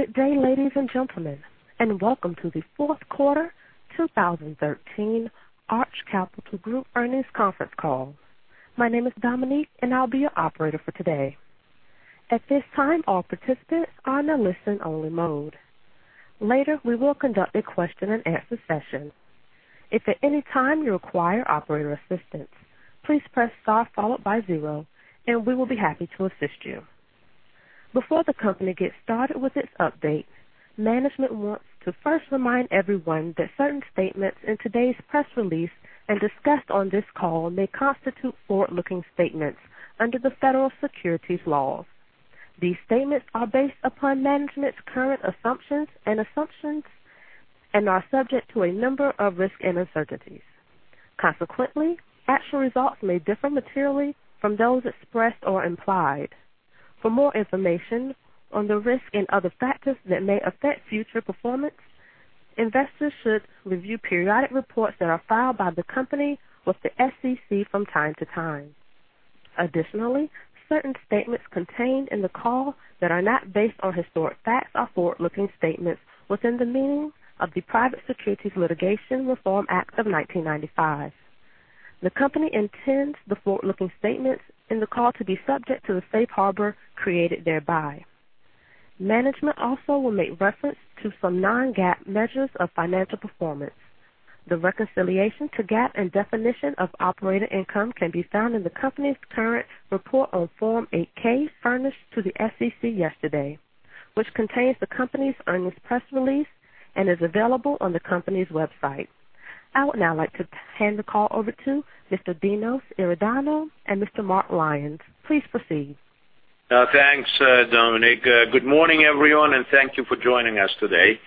Good day, ladies and gentlemen, and welcome to the fourth quarter 2013 Arch Capital Group Earnings Conference Call. My name is Dominique, and I will be your operator for today. At this time, all participants are in a listen-only mode. Later, we will conduct a question and answer session. If at any time you require operator assistance, please press star followed by zero, and we will be happy to assist you. Before the company gets started with its update, management wants to first remind everyone that certain statements in today's press release and discussed on this call may constitute forward-looking statements under the federal securities laws. These statements are based upon management's current assumptions and are subject to a number of risks and uncertainties. Consequently, actual results may differ materially from those expressed or implied. For more information on the risks and other factors that may affect future performance, investors should review periodic reports that are filed by the company with the SEC from time to time. Additionally, certain statements contained in the call that are not based on historic facts are forward-looking statements within the meaning of the Private Securities Litigation Reform Act of 1995. The company intends the forward-looking statements in the call to be subject to the safe harbor created thereby. Management also will make reference to some non-GAAP measures of financial performance. The reconciliation to GAAP and definition of operating income can be found in the company's current report on Form 8-K furnished to the SEC yesterday, which contains the company's earnings press release and is available on the company's website. I would now like to hand the call over to Mr. Dinos Iordanou and Mr. Mark Lyons. Please proceed. Thanks, Dominique. Good morning, everyone, and thank you for joining us today.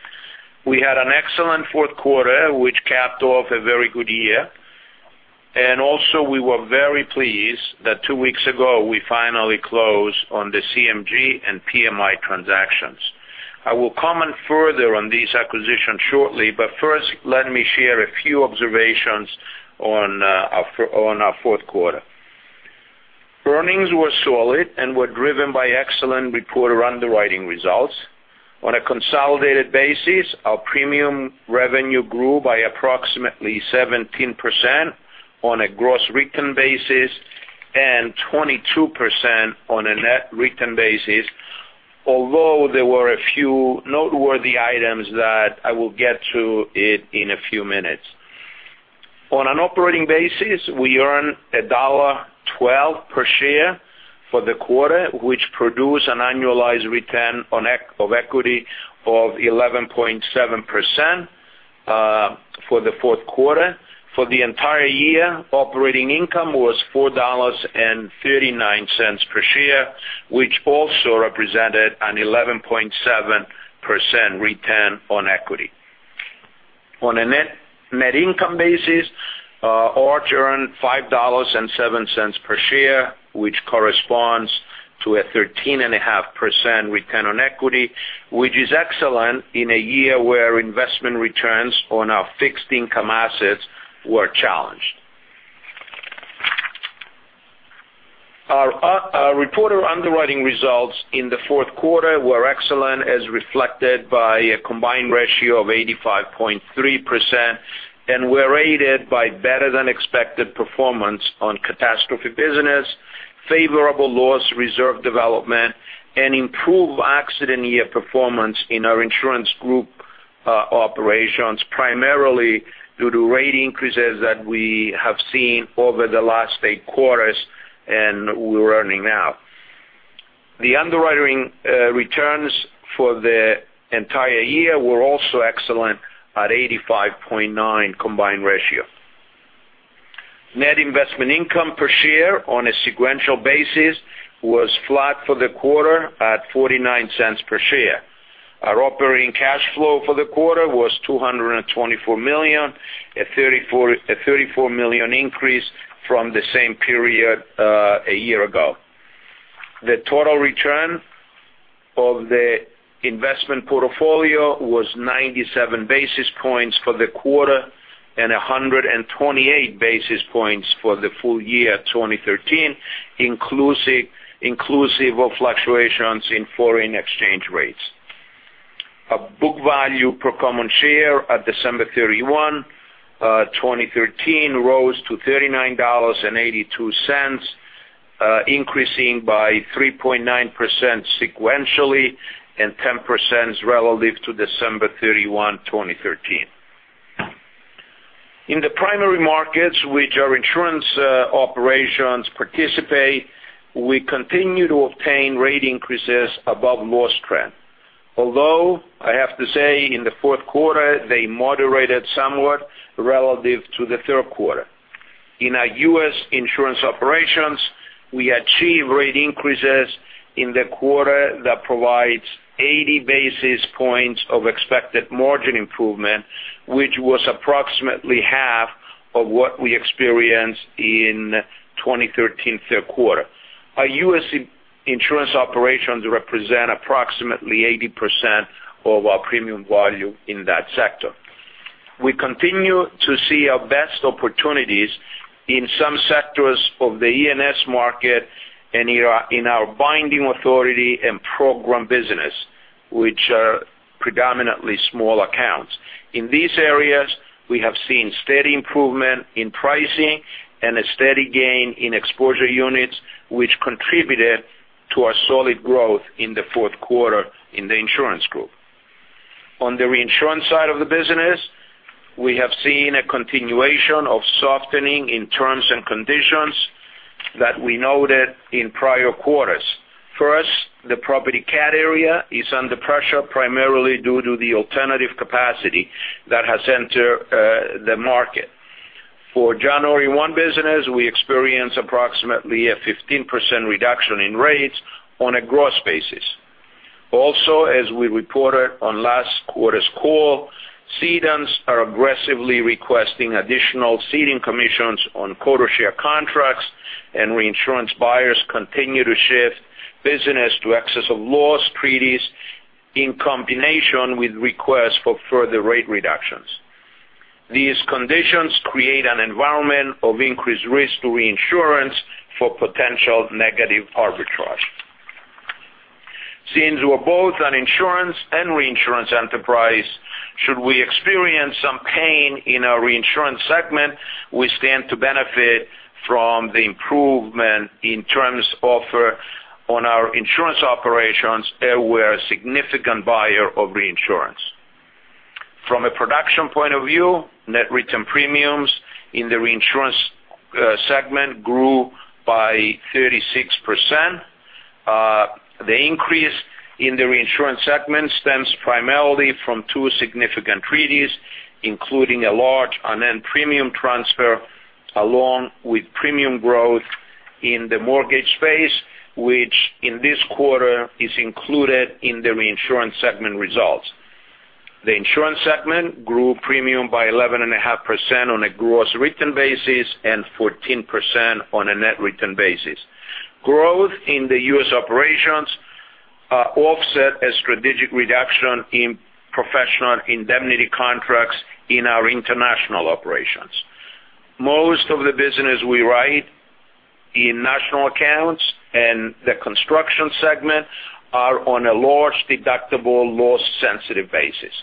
We had an excellent fourth quarter, which capped off a very good year. Also we were very pleased that two weeks ago we finally closed on the CMG and PMI transactions. I will comment further on these acquisitions shortly, but first let me share a few observations on our fourth quarter. Earnings were solid and were driven by excellent reported underwriting results. On a consolidated basis, our premium revenue grew by approximately 17% on a gross written basis and 22% on a net written basis, although there were a few noteworthy items that I will get to in a few minutes. On an operating basis, we earned $1.12 per share for the quarter, which produced an annualized return of equity of 11.7% for the fourth quarter. For the entire year, operating income was $4.39 per share, which also represented an 11.7% return on equity. On a net income basis, Arch earned $5.07 per share, which corresponds to a 13.5% return on equity, which is excellent in a year where investment returns on our fixed income assets were challenged. Our reported underwriting results in the fourth quarter were excellent as reflected by a combined ratio of 85.3% and were aided by better-than-expected performance on catastrophe business, favorable loss reserve development, and improved accident year performance in our insurance group operations, primarily due to rate increases that we have seen over the last eight quarters, and we are earning now. The underwriting returns for the entire year were also excellent at 85.9% combined ratio. Net investment income per share on a sequential basis was flat for the quarter at $0.49 per share. Our operating cash flow for the quarter was $224 million, a $34 million increase from the same period a year ago. The total return of the investment portfolio was 97 basis points for the quarter and 128 basis points for the full year 2013, inclusive of fluctuations in foreign exchange rates. Our book value per common share at December 31, 2013, rose to $39.82, increasing by 3.9% sequentially and 10% relative to December 31, 2013. In the primary markets which our insurance operations participate, we continue to obtain rate increases above loss trend. I have to say in the fourth quarter, they moderated somewhat relative to the third quarter. In our U.S. insurance operations, we achieved rate increases in the quarter that provides 80 basis points of expected margin improvement, which was approximately half of what we experienced in 2013 third quarter. Our U.S. insurance operations represent approximately 80% of our premium volume in that sector. We continue to see our best opportunities in some sectors of the E&S market and in our binding authority and program business, which are predominantly small accounts. In these areas, we have seen steady improvement in pricing and a steady gain in exposure units, which contributed to our solid growth in the fourth quarter in the insurance group. On the reinsurance side of the business, we have seen a continuation of softening in terms and conditions that we noted in prior quarters. First, the property CAT area is under pressure primarily due to the alternative capacity that has entered the market. For January 1 business, we experienced approximately a 15% reduction in rates on a gross basis. As we reported on last quarter's call, cedents are aggressively requesting additional ceding commissions on quota share contracts, and reinsurance buyers continue to shift business to excess of loss treaties in combination with requests for further rate reductions. These conditions create an environment of increased risk to reinsurance for potential negative arbitrage. We're both an insurance and reinsurance enterprise, should we experience some pain in our reinsurance segment, we stand to benefit from the improvement in terms offer on our insurance operations, and we're a significant buyer of reinsurance. From a production point of view, net written premiums in the reinsurance segment grew by 36%. The increase in the reinsurance segment stems primarily from two significant treaties, including a large unearned premium transfer along with premium growth in the mortgage space, which in this quarter is included in the reinsurance segment results. The insurance segment grew premium by 11.5% on a gross written basis and 14% on a net written basis. Growth in the U.S. operations offset a strategic reduction in professional indemnity contracts in our international operations. Most of the business we write in national accounts and the construction segment are on a large deductible, loss-sensitive basis.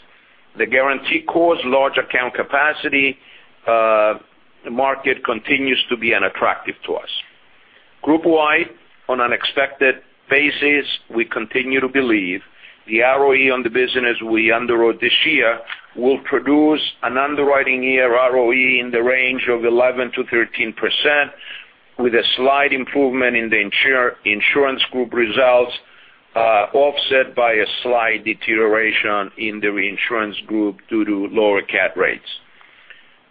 The guaranteed cost large account capacity market continues to be unattractive to us. Group-wide, on an expected basis, we continue to believe the ROE on the business we underwrote this year will produce an underwriting year ROE in the range of 11%-13%, with a slight improvement in the insurance group results, offset by a slight deterioration in the reinsurance group due to lower CAT rates.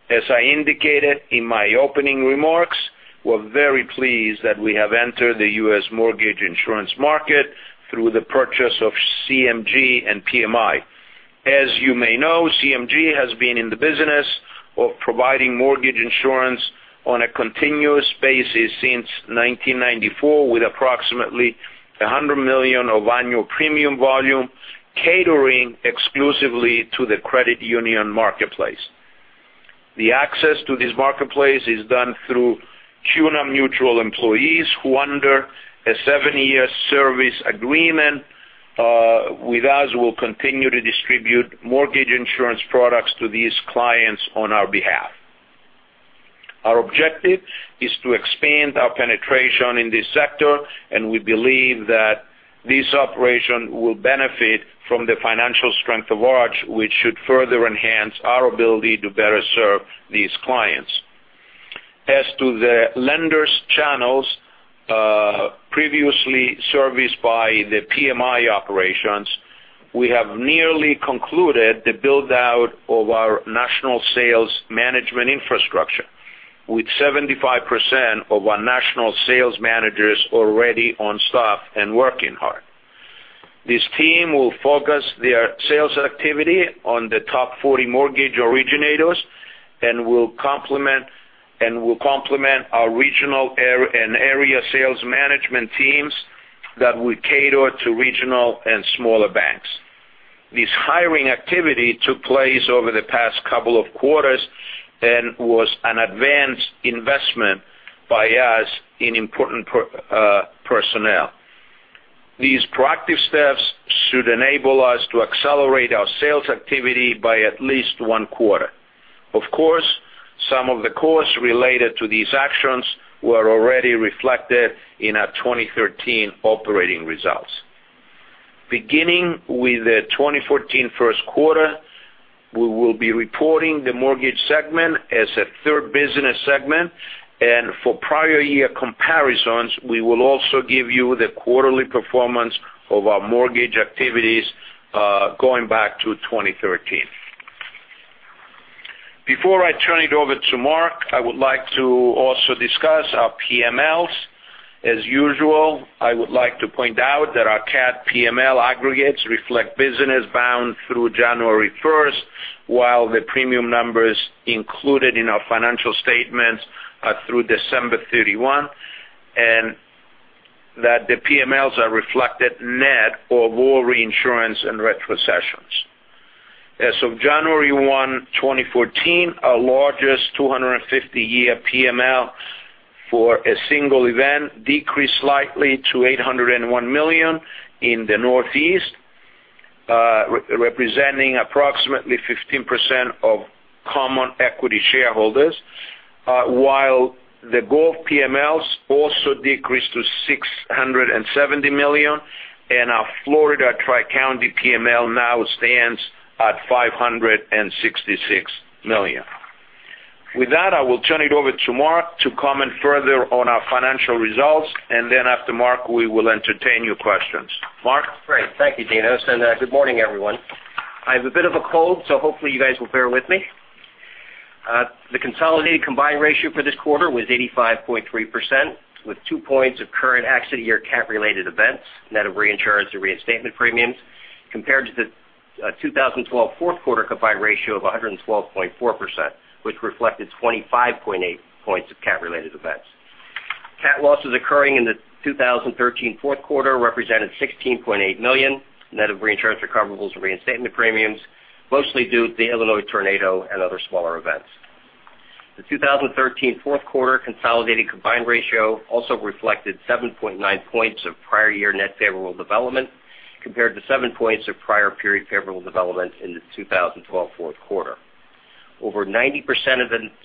As I indicated in my opening remarks, we're very pleased that we have entered the U.S. mortgage insurance market through the purchase of CMG and PMI. As you may know, CMG has been in the business of providing mortgage insurance on a continuous basis since 1994, with approximately $100 million of annual premium volume catering exclusively to the credit union marketplace. The access to this marketplace is done through CUNA Mutual employees, who under a seven-year service agreement with us will continue to distribute mortgage insurance products to these clients on our behalf. Our objective is to expand our penetration in this sector, and we believe that this operation will benefit from the financial strength of Arch, which should further enhance our ability to better serve these clients. As to the lenders' channels previously serviced by the PMI operations, we have nearly concluded the build-out of our national sales management infrastructure with 75% of our national sales managers already on staff and working hard. This team will focus their sales activity on the top 40 mortgage originators and will complement our regional and area sales management teams that will cater to regional and smaller banks. This hiring activity took place over the past couple of quarters and was an advance investment by us in important personnel. These proactive steps should enable us to accelerate our sales activity by at least one quarter. Of course, some of the costs related to these actions were already reflected in our 2013 operating results. Beginning with the 2014 first quarter, we will be reporting the mortgage segment as a third business segment. For prior year comparisons, we will also give you the quarterly performance of our mortgage activities going back to 2013. Before I turn it over to Mark, I would like to also discuss our PMLs. As usual, I would like to point out that our CAT PML aggregates reflect business bound through January 1st, while the premium numbers included in our financial statements are through December 31. The PMLs are reflected net of all reinsurance and retrocessions. As of January 1, 2014, our largest 250-year PML for a single event decreased slightly to $801 million in the Northeast, representing approximately 15% of common equity shareholders. While the Gulf PMLs also decreased to $670 million, and our Florida Tri-County PML now stands at $566 million. With that, I will turn it over to Mark to comment further on our financial results. Then after Mark, we will entertain your questions. Mark? Great. Thank you, Dinos, and good morning, everyone. I have a bit of a cold, so hopefully you guys will bear with me. The consolidated combined ratio for this quarter was 85.3%, with two points of current accident year CAT-related events, net of reinsurance and reinstatement premiums, compared to the 2012 fourth quarter combined ratio of 112.4%, which reflected 25.8 points of CAT-related events. CAT losses occurring in the 2013 fourth quarter represented $16.8 million, net of reinsurance recoverables and reinstatement premiums, mostly due to the Illinois tornado and other smaller events. The 2013 fourth quarter consolidated combined ratio also reflected 7.9 points of prior year net favorable development, compared to seven points of prior period favorable development in the 2012 fourth quarter. Over 90%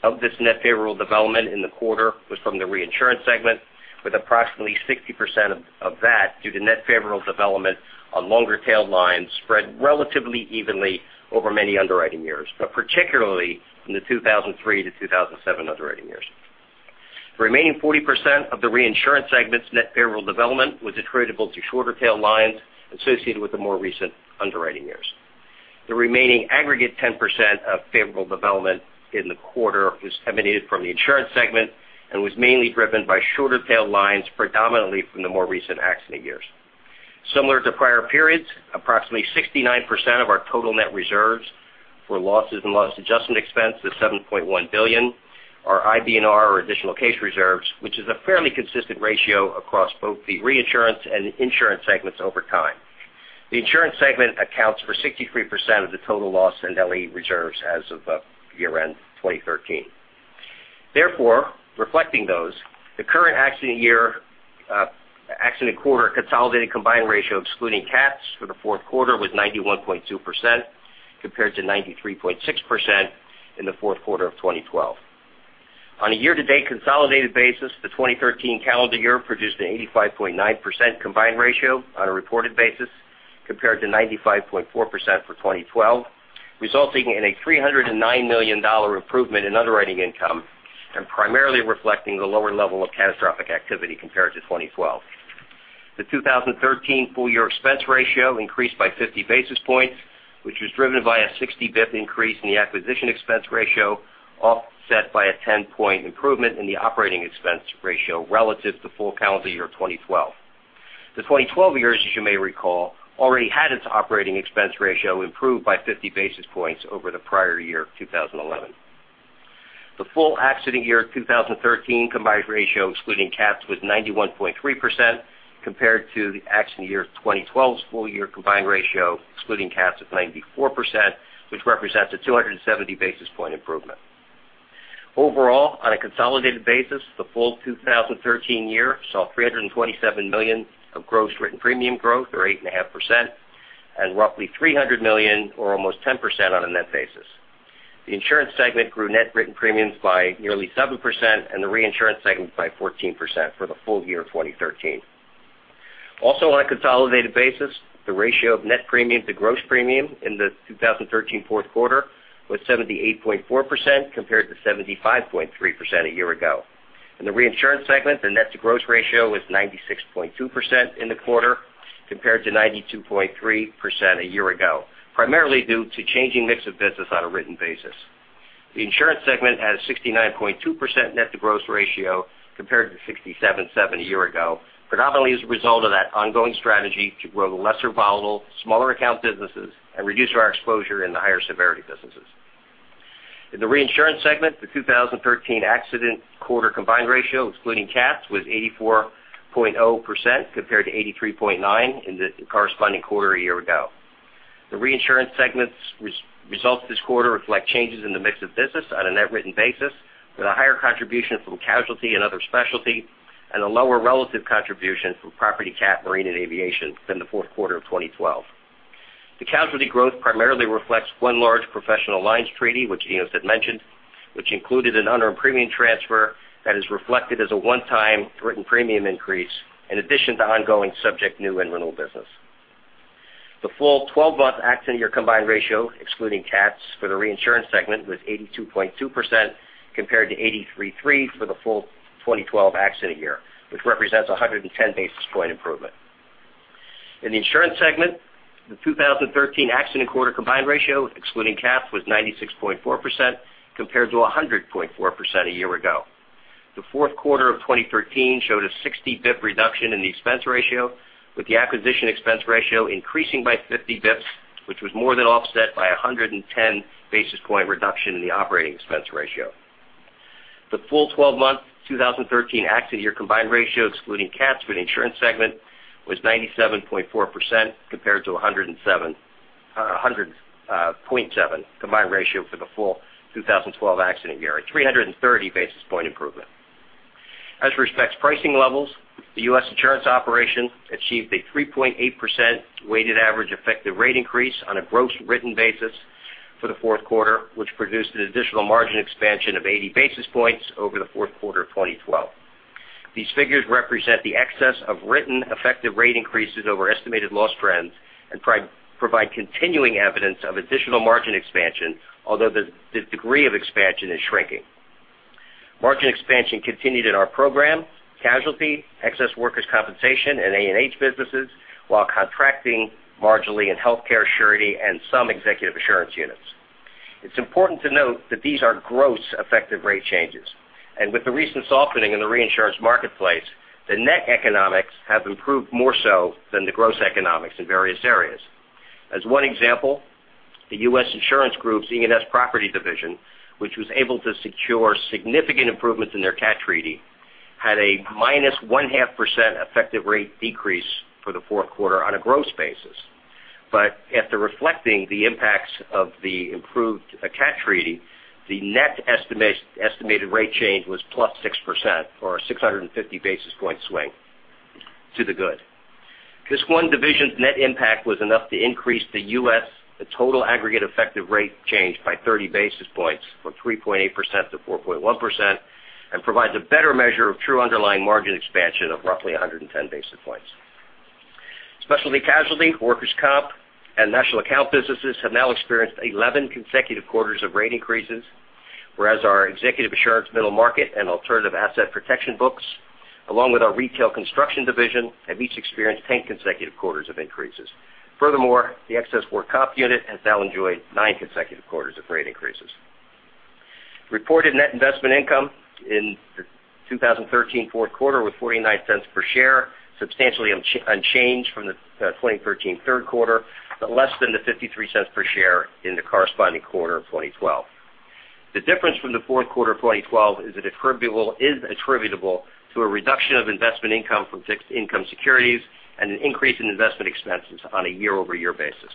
of this net favorable development in the quarter was from the reinsurance segment, with approximately 60% of that due to net favorable development on longer-tail lines spread relatively evenly over many underwriting years, but particularly in the 2003 to 2007 underwriting years. The remaining 40% of the reinsurance segment's net favorable development was attributable to shorter tail lines associated with the more recent underwriting years. The remaining aggregate 10% of favorable development in the quarter was emanated from the insurance segment and was mainly driven by shorter tail lines predominantly from the more recent accident years. Similar to prior periods, approximately 69% of our total net reserves for losses and loss adjustment expense is $7.1 billion, our IBNR or additional case reserves, which is a fairly consistent ratio across both the reinsurance and insurance segments over time. The insurance segment accounts for 63% of the total loss and LE reserves as of year-end 2013. Therefore, reflecting those, the current accident quarter consolidated combined ratio excluding CATs for the fourth quarter was 91.2%, compared to 93.6% in the fourth quarter of 2012. On a year-to-date consolidated basis, the 2013 calendar year produced an 85.9% combined ratio on a reported basis compared to 95.4% for 2012, resulting in a $309 million improvement in underwriting income and primarily reflecting the lower level of catastrophic activity compared to 2012. The 2013 full-year expense ratio increased by 50 basis points, which was driven by a 60 basis points increase in the acquisition expense ratio, offset by a 10-point improvement in the operating expense ratio relative to full calendar year 2012. The 2012 year, as you may recall, already had its operating expense ratio improved by 50 basis points over the prior year of 2011. The full accident year 2013 combined ratio excluding CATs was 91.3%, compared to the accident year 2012's full-year combined ratio excluding CATs of 94%, which represents a 270 basis point improvement. Overall, on a consolidated basis, the full 2013 year saw $327 million of gross written premium growth or 8.5%, and roughly $300 million or almost 10% on a net basis. The insurance segment grew net written premiums by nearly 7% and the reinsurance segment by 14% for the full year 2013. Also on a consolidated basis, the ratio of net premium to gross premium in the 2013 fourth quarter was 78.4% compared to 75.3% a year ago. In the reinsurance segment, the net to gross ratio was 96.2% in the quarter compared to 92.3% a year ago, primarily due to changing mix of business on a written basis. The insurance segment had a 69.2% net to gross ratio compared to 67.7% a year ago, predominantly as a result of that ongoing strategy to grow the lesser volatile, smaller account businesses and reduce our exposure in the higher severity businesses. In the reinsurance segment, the 2013 accident quarter combined ratio excluding CATs was 84.0% compared to 83.9% in the corresponding quarter a year ago. The reinsurance segment's results this quarter reflect changes in the mix of business on a net written basis with a higher contribution from casualty and other specialty and a lower relative contribution from property, CAT, marine, and aviation than the fourth quarter of 2012. The casualty growth primarily reflects one large professional lines treaty, which Dinos had mentioned, which included an unearned premium transfer that is reflected as a one-time written premium increase in addition to ongoing subject new and renewal business. The full 12-month accident year combined ratio, excluding CATs, for the reinsurance segment was 82.2% compared to 83.3% for the full 2012 accident year, which represents a 110 basis point improvement. In the insurance segment, the 2013 accident quarter combined ratio excluding CATs was 96.4% compared to 100.4% a year ago. The fourth quarter of 2013 showed a 60 basis point reduction in the expense ratio with the acquisition expense ratio increasing by 50 basis points, which was more than offset by 110 basis point reduction in the operating expense ratio. The full 12-month 2013 accident year combined ratio, excluding CATs for the insurance segment, was 97.4% compared to 100.7 combined ratio for the full 2012 accident year, a 330 basis point improvement. As respects pricing levels, the U.S. insurance operation achieved a 3.8% weighted average effective rate increase on a gross written basis for the fourth quarter, which produced an additional margin expansion of 80 basis points over the fourth quarter of 2012. These figures represent the excess of written effective rate increases over estimated loss trends and provide continuing evidence of additional margin expansion, although the degree of expansion is shrinking. Margin expansion continued in our program, casualty, excess workers' compensation, and A&H businesses, while contracting marginally in healthcare, surety, and some executive assurance units. It's important to note that these are gross effective rate changes. With the recent softening in the reinsurance marketplace, the net economics have improved more so than the gross economics in various areas. As one example, the U.S. Insurance Group's E&S property division, which was able to secure significant improvements in their CAT treaty, had a -0.5% effective rate decrease for the fourth quarter on a gross basis. After reflecting the impacts of the improved CAT treaty, the net estimated rate change was +6%, or a 650 basis point swing to the good. This one division's net impact was enough to increase the U.S. total aggregate effective rate change by 30 basis points, from 3.8%-4.1%, and provides a better measure of true underlying margin expansion of roughly 110 basis points. Specialty casualty, workers' comp, and national account businesses have now experienced 11 consecutive quarters of rate increases, whereas our executive assurance middle market and alternative asset protection books, along with our retail construction division, have each experienced 10 consecutive quarters of increases. Furthermore, the excess work comp unit has now enjoyed nine consecutive quarters of rate increases. Reported net investment income in the 2013 fourth quarter was $0.49 per share, substantially unchanged from the 2013 third quarter, but less than the $0.53 per share in the corresponding quarter of 2012. The difference from the fourth quarter of 2012 is attributable to a reduction of investment income from fixed income securities and an increase in investment expenses on a year-over-year basis.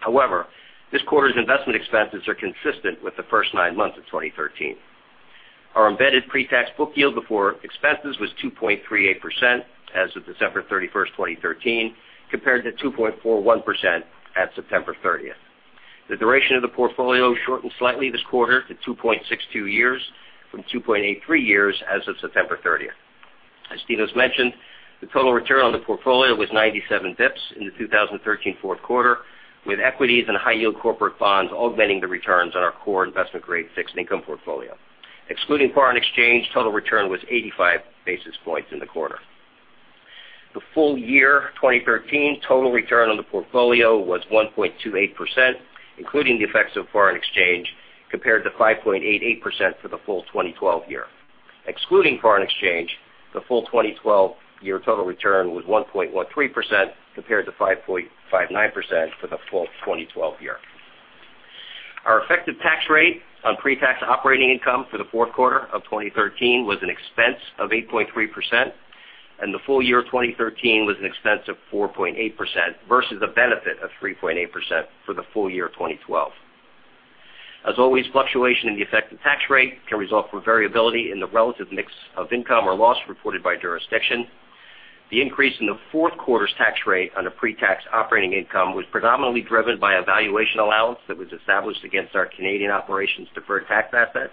However, this quarter's investment expenses are consistent with the first nine months of 2013. Our embedded pre-tax book yield before expenses was 2.38% as of December 31st, 2013, compared to 2.41% at September 30th. The duration of the portfolio shortened slightly this quarter to 2.62 years from 2.83 years as of September 30th. As Dinos mentioned, the total return on the portfolio was 97 basis points in the 2013 fourth quarter, with equities and high yield corporate bonds augmenting the returns on our core investment grade fixed income portfolio. Excluding foreign exchange, total return was 85 basis points in the quarter. The full year 2013 total return on the portfolio was 1.28%, including the effects of foreign exchange, compared to 5.88% for the full 2012 year. Excluding foreign exchange, the full 2012 year total return was 1.13%, compared to 5.59% for the full 2012 year. Our effective tax rate on pre-tax operating income for the fourth quarter of 2013 was an expense of 8.3%, and the full year of 2013 was an expense of 4.8%, versus a benefit of 3.8% for the full year of 2012. As always, fluctuation in the effective tax rate can result from variability in the relative mix of income or loss reported by jurisdiction. The increase in the fourth quarter's tax rate on a pre-tax operating income was predominantly driven by a valuation allowance that was established against our Canadian operations' deferred tax asset.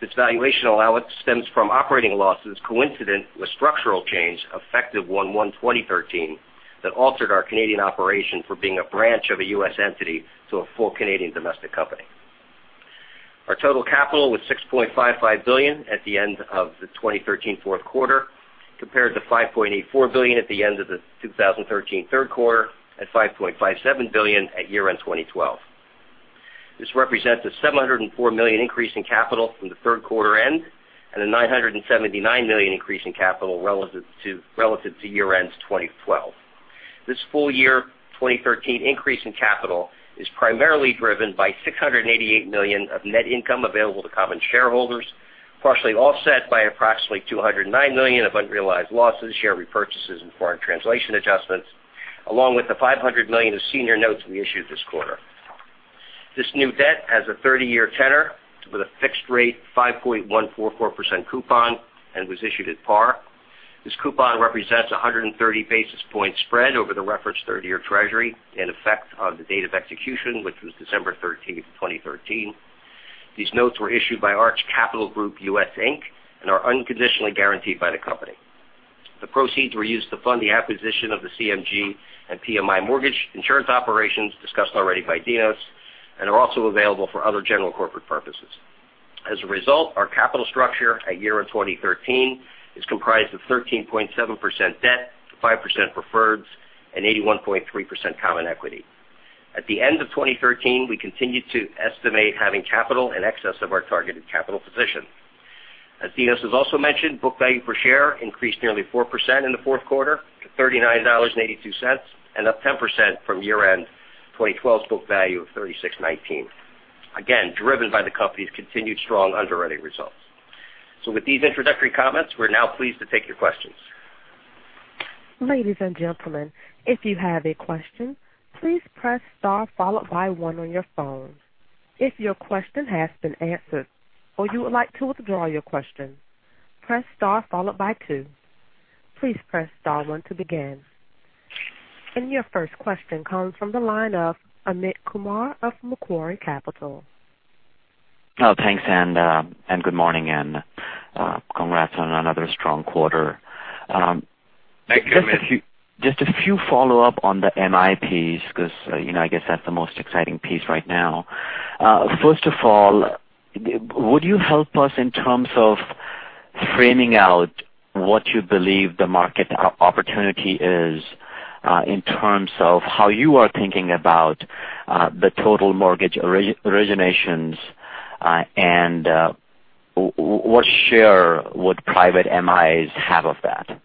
This valuation allowance stems from operating losses coincident with structural change effective 1/1/2013 that altered our Canadian operation from being a branch of a U.S. entity to a full Canadian domestic company. Our total capital was $6.55 billion at the end of the 2013 fourth quarter, compared to $5.84 billion at the end of the 2013 third quarter and $5.57 billion at year-end 2012. This represents a $704 million increase in capital from the third quarter end and a $979 million increase in capital relative to year-end 2012. This full year 2013 increase in capital is primarily driven by $688 million of net income available to common shareholders, partially offset by approximately $209 million of unrealized losses, share repurchases, and foreign translation adjustments, along with the $500 million of senior notes we issued this quarter. This new debt has a 30-year tenor with a fixed rate 5.144% coupon and was issued at par. This coupon represents a 130 basis point spread over the reference third-year treasury in effect on the date of execution, which was December 13th, 2013. These notes were issued by Arch Capital Group U.S. Inc. and are unconditionally guaranteed by the company. The proceeds were used to fund the acquisition of the CMG and PMI mortgage insurance operations discussed already by Dinos and are also available for other general corporate purposes. As a result, our capital structure at year-end 2013 is comprised of 13.7% debt, 5% preferreds, and 81.3% common equity. At the end of 2013, we continued to estimate having capital in excess of our targeted capital position. As Dinos has also mentioned, book value per share increased nearly 4% in the fourth quarter to $39.82 and up 10% from year-end 2012 book value of $36.19. Again, driven by the company's continued strong underwriting results. With these introductory comments, we're now pleased to take your questions. Ladies and gentlemen, if you have a question, please press star followed by one on your phone. If your question has been answered or you would like to withdraw your question, press star followed by two. Please press star one to begin. Your first question comes from the line of Amit Kumar of Macquarie Capital. Thanks and good morning, congrats on another strong quarter. Thank you, Amit. Just a few follow-up on the MI piece because I guess that's the most exciting piece right now. First of all, would you help us in terms of framing out what you believe the market opportunity is, in terms of how you are thinking about the total mortgage originations, and what share would private MIs have of that?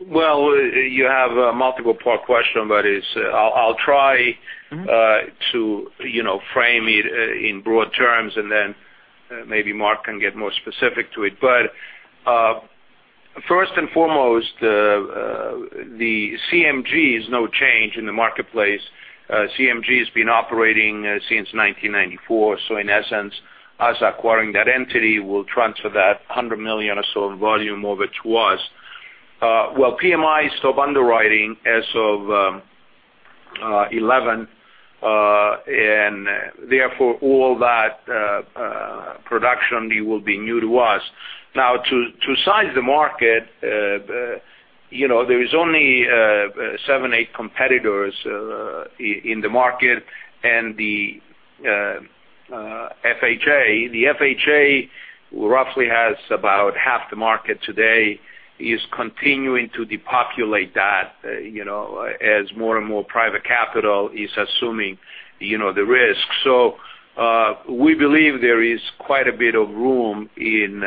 Well, you have a multiple part question, I'll try to frame it in broad terms and then maybe Mark can get more specific to it. First and foremost, the CMG is no change in the marketplace. CMG has been operating since 1994, in essence, us acquiring that entity will transfer that $100 million or so in volume over to us. While PMI stopped underwriting as of 2011, therefore all that production will be new to us. Now, to size the market, there is only seven, eight competitors in the market and the FHA. The FHA roughly has about half the market today, is continuing to depopulate that as more and more private capital is assuming the risk. We believe there is quite a bit of room in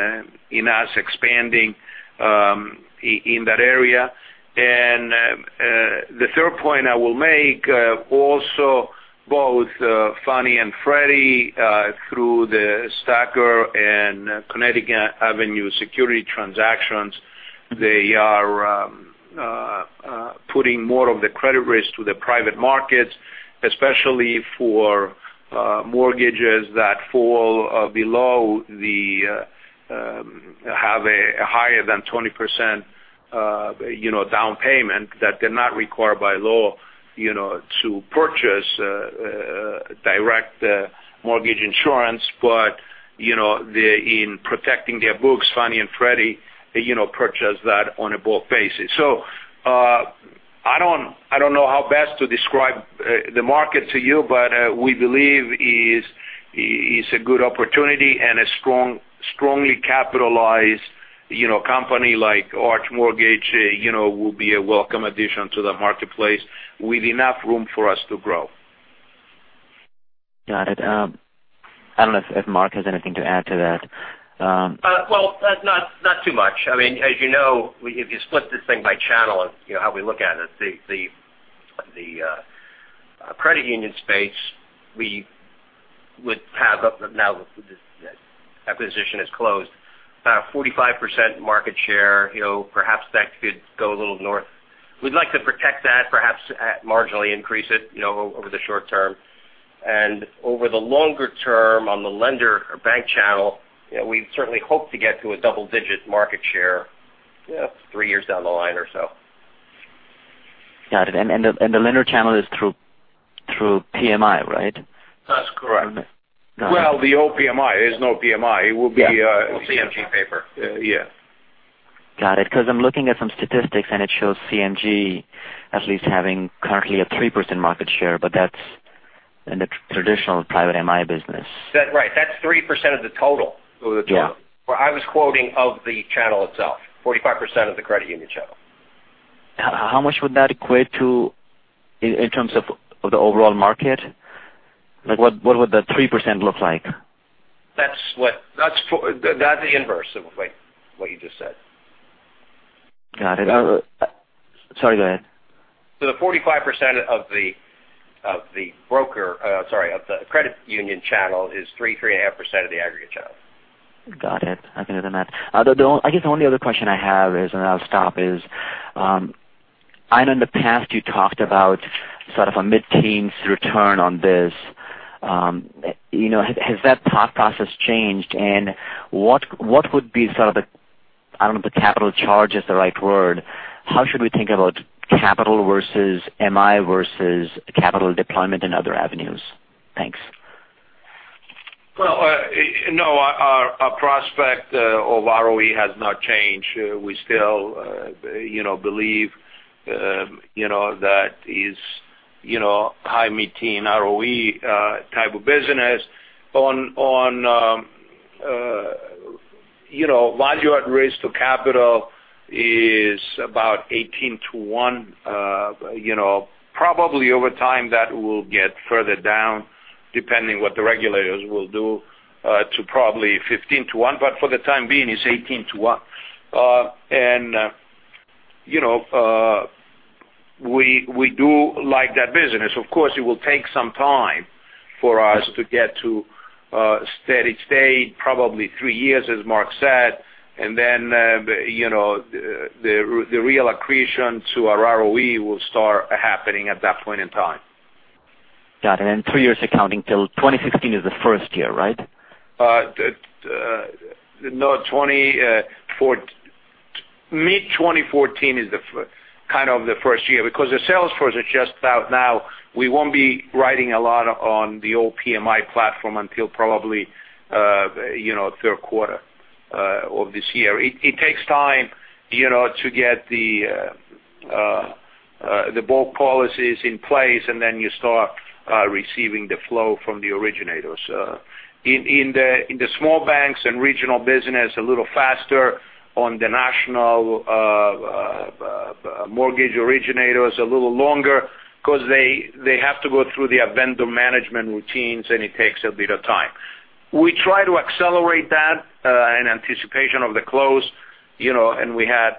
us expanding in that area. The third point I will make, also both Fannie and Freddie, through the STACR and Connecticut Avenue Securities, they are putting more of the credit risk to the private markets, especially for mortgages that have a higher than 20% down payment that they're not required by law to purchase direct mortgage insurance. In protecting their books, Fannie and Freddie purchase that on a bulk basis. I don't know how best to describe the market to you, we believe it's a good opportunity and a strongly capitalized company like Arch Mortgage will be a welcome addition to the marketplace with enough room for us to grow. Got it. I don't know if Mark has anything to add to that. Well, not too much. I mean, as you know, if you split this thing by channel, how we look at it, the credit union space we would have up now that acquisition is closed, 45% market share. Perhaps that could go a little north. We'd like to protect that perhaps marginally increase it over the short term. Over the longer term on the lender or bank channel, we certainly hope to get to a double-digit market share three years down the line or so. Got it. The lender channel is through PMI, right? That's correct. Well, the old PMI. There's no PMI. Yeah. CMG paper. Yeah. Got it. I'm looking at some statistics, and it shows CMG at least having currently a 3% market share, but that's in the traditional private MI business. Right. That's 3% of the total. Yeah. Where I was quoting of the channel itself, 45% of the credit union channel. How much would that equate to in terms of the overall market? Like what would the 3% look like? That's the inverse of what you just said. Got it. Sorry, go ahead. The 45% of the broker, sorry, of the credit union channel is 3.5% of the aggregate channel. Got it. Other than that, I guess the only other question I have is, and I'll stop is, I know in the past you talked about sort of a mid-teens return on this. Has that thought process changed, and what would be sort of the, I don't know if the capital charge is the right word. How should we think about capital versus MI versus capital deployment in other avenues? Thanks. Well, no, our prospect of ROE has not changed. We still believe that is high mid-teen ROE type of business. Value add risk to capital is about 18 to one. Probably over time, that will get further down, depending what the regulators will do, to probably 15 to one, but for the time being, it's 18 to one. We do like that business. Of course, it will take some time for us to get to a steady state, probably three years, as Mark said, then the real accretion to our ROE will start happening at that point in time. Got it. Three years accounting till 2016 is the first year, right? No, mid-2014 is kind of the first year, because the sales force is just out now. We won't be riding a lot on the old PMI platform until probably third quarter of this year. It takes time to get the bulk policies in place, then you start receiving the flow from the originators. In the small banks and regional business, a little faster. On the national mortgage originators, a little longer, because they have to go through the vendor management routines, it takes a bit of time. We try to accelerate that in anticipation of the close, we had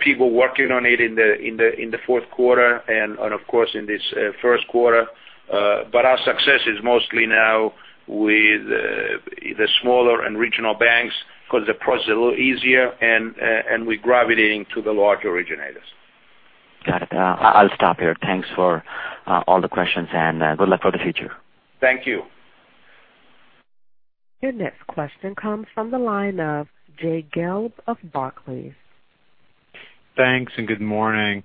people working on it in the fourth quarter of course in this first quarter. Our success is mostly now with the smaller and regional banks because the process is a little easier, we're gravitating to the large originators. Got it. I'll stop here. Thanks for all the questions, good luck for the future. Thank you. Your next question comes from the line of Jay Gelb of Barclays. Thanks. Good morning.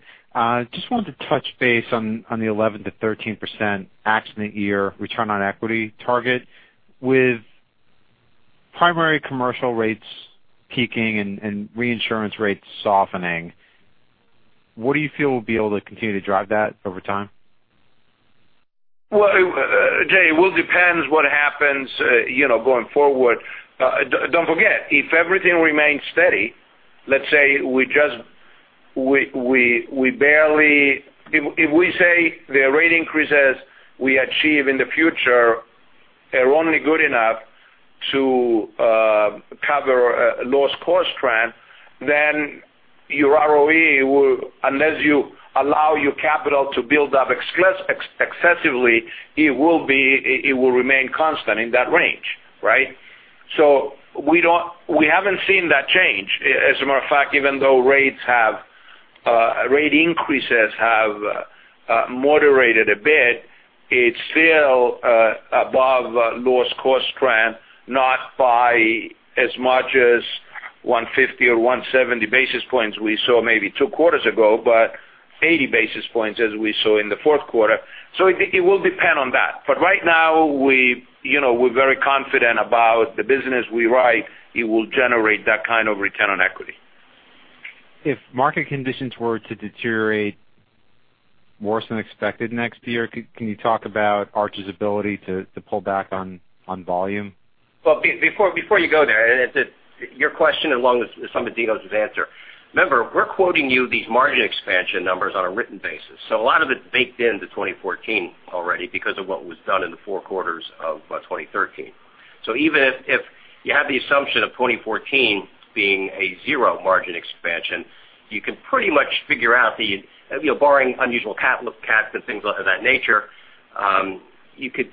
Just wanted to touch base on the 11%-13% accident year return on equity target. With primary commercial rates peaking and reinsurance rates softening, what do you feel will be able to continue to drive that over time? Well, Jay, it will depend what happens going forward. Don't forget, if everything remains steady, if we say the rate increases we achieve in the future are only good enough to cover loss cost trend, then your ROE, unless you allow your capital to build up excessively, it will remain constant in that range, right? We haven't seen that change. As a matter of fact, even though rate increases have moderated a bit, it's still above loss cost trend, not by as much as 150 or 170 basis points we saw maybe two quarters ago, but 80 basis points as we saw in the fourth quarter. It will depend on that. Right now, we're very confident about the business we write, it will generate that kind of return on equity. If market conditions were to deteriorate worse than expected next year, can you talk about Arch's ability to pull back on volume? Well, before you go there, and your question along with some of Dinos' answer. Remember, we're quoting you these margin expansion numbers on a written basis. A lot of it is baked into 2014 already because of what was done in the four quarters of 2013. Even if you have the assumption of 2014 being a 0 margin expansion, you can pretty much figure out the, barring unusual CAT and things of that nature, you could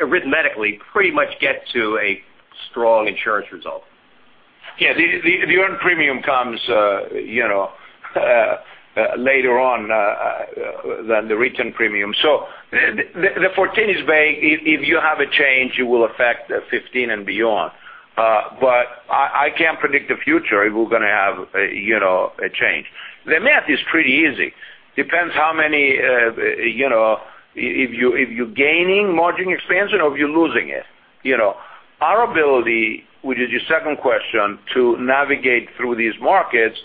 arithmetically pretty much get to a strong insurance result. Yeah. The earned premium comes later on than the written premium. The 2014 is vague. If you have a change, it will affect 2015 and beyond. I can't predict the future if we're going to have a change. The math is pretty easy. Depends if you're gaining margin expansion or if you're losing it. Our ability, which is your second question, to navigate through these markets,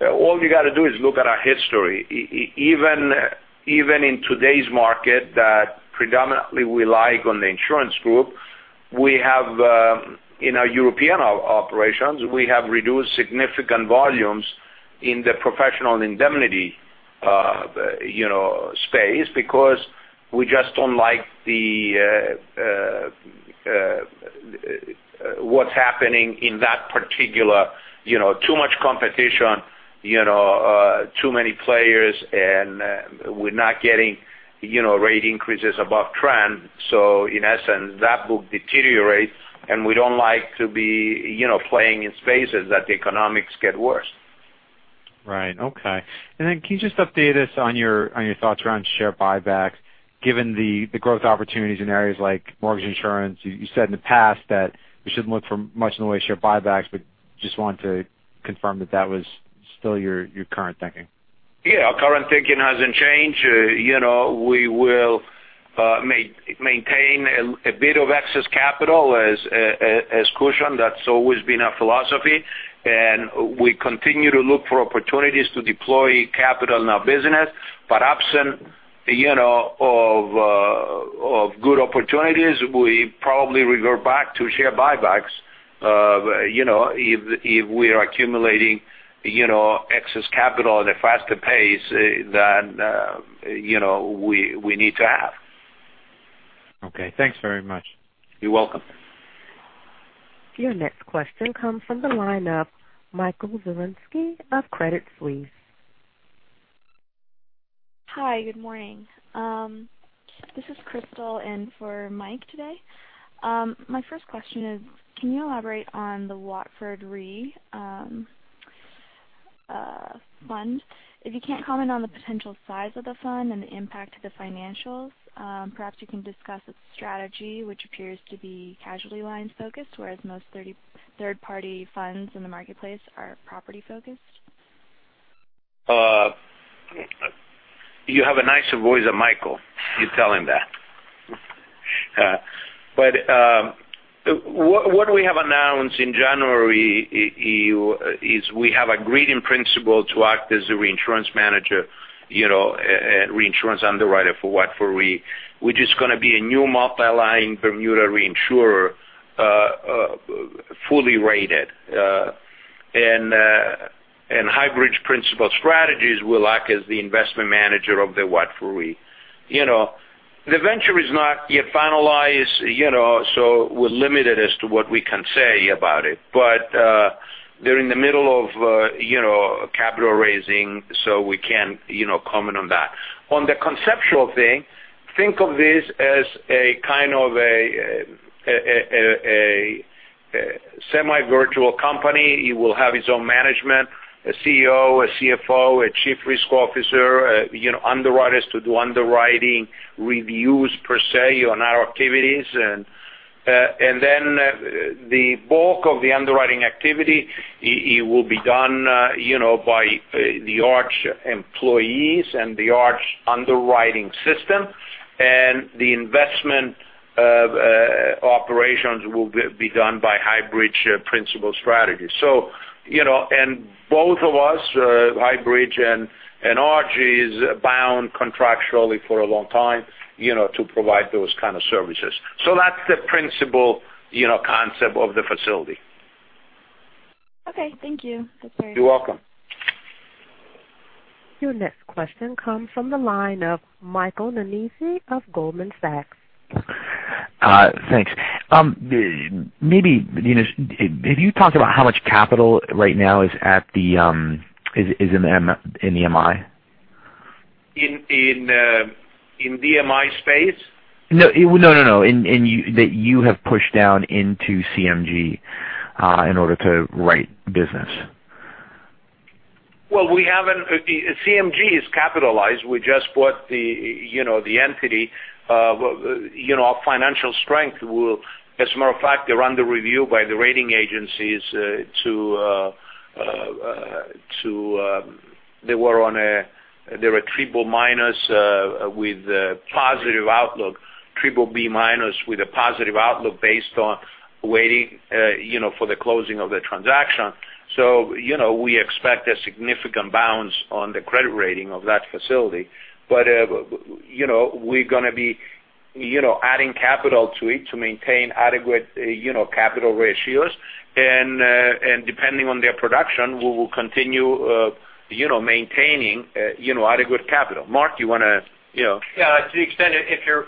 all you got to do is look at our history. Even in today's market that predominantly we like on the insurance group, in our European operations, we have reduced significant volumes in the professional indemnity space because we just don't like what's happening in that particular. Too much competition, too many players. We're not getting rate increases above trend. In essence, that will deteriorate, and we don't like to be playing in spaces that the economics get worse. Right. Okay. Can you just update us on your thoughts around share buybacks, given the growth opportunities in areas like mortgage insurance? You said in the past that we shouldn't look for much in the way of share buybacks. Just wanted to confirm that that was still your current thinking. Our current thinking hasn't changed. We will maintain a bit of excess capital as cushion. That's always been our philosophy, and we continue to look for opportunities to deploy capital in our business. Absent of good opportunities, we probably revert back to share buybacks If we are accumulating excess capital at a faster pace than we need to have. Okay. Thanks very much. You're welcome. Your next question comes from the line of Michael Zaremski of Credit Suisse. Hi, good morning. This is Crystal in for Mike today. My first question is, can you elaborate on the Watford Re fund? If you can't comment on the potential size of the fund and the impact to the financials, perhaps you can discuss its strategy, which appears to be casualty line focused, whereas most third-party funds in the marketplace are property focused. You have a nicer voice than Michael. You tell him that. What we have announced in January is we have agreed in principle to act as a reinsurance manager, a reinsurance underwriter for Watford Re, which is going to be a new multi-line Bermuda reinsurer, fully rated. Highbridge Principal Strategies will act as the investment manager of the Watford Re. The venture is not yet finalized, so we're limited as to what we can say about it. They're in the middle of capital raising, so we can't comment on that. On the conceptual thing, think of this as a kind of a semi-virtual company. It will have its own management, a CEO, a CFO, a chief risk officer, underwriters to do underwriting reviews, per se, on our activities. The bulk of the underwriting activity, it will be done by the Arch employees and the Arch underwriting system. The investment operations will be done by Highbridge Principal Strategies. Both of us, Highbridge and Arch, is bound contractually for a long time to provide those kind of services. That's the principle concept of the facility. Okay, thank you. That's very helpful. You're welcome. Your next question comes from the line of Michael Nannizzi of Goldman Sachs. Thanks. Maybe, Dino, have you talked about how much capital right now is in the MI? In the MI space? No. That you have pushed down into CMG in order to write business. Well, CMG is capitalized. We just bought the entity. Our financial strength will, as a matter of fact, they're under review by the rating agencies to Triple B minus with a positive outlook based on waiting for the closing of the transaction. We expect a significant bounce on the credit rating of that facility. We're going to be adding capital to it to maintain adequate capital ratios. Depending on their production, we will continue maintaining adequate capital. Mark, do you want to- Yeah, to the extent if your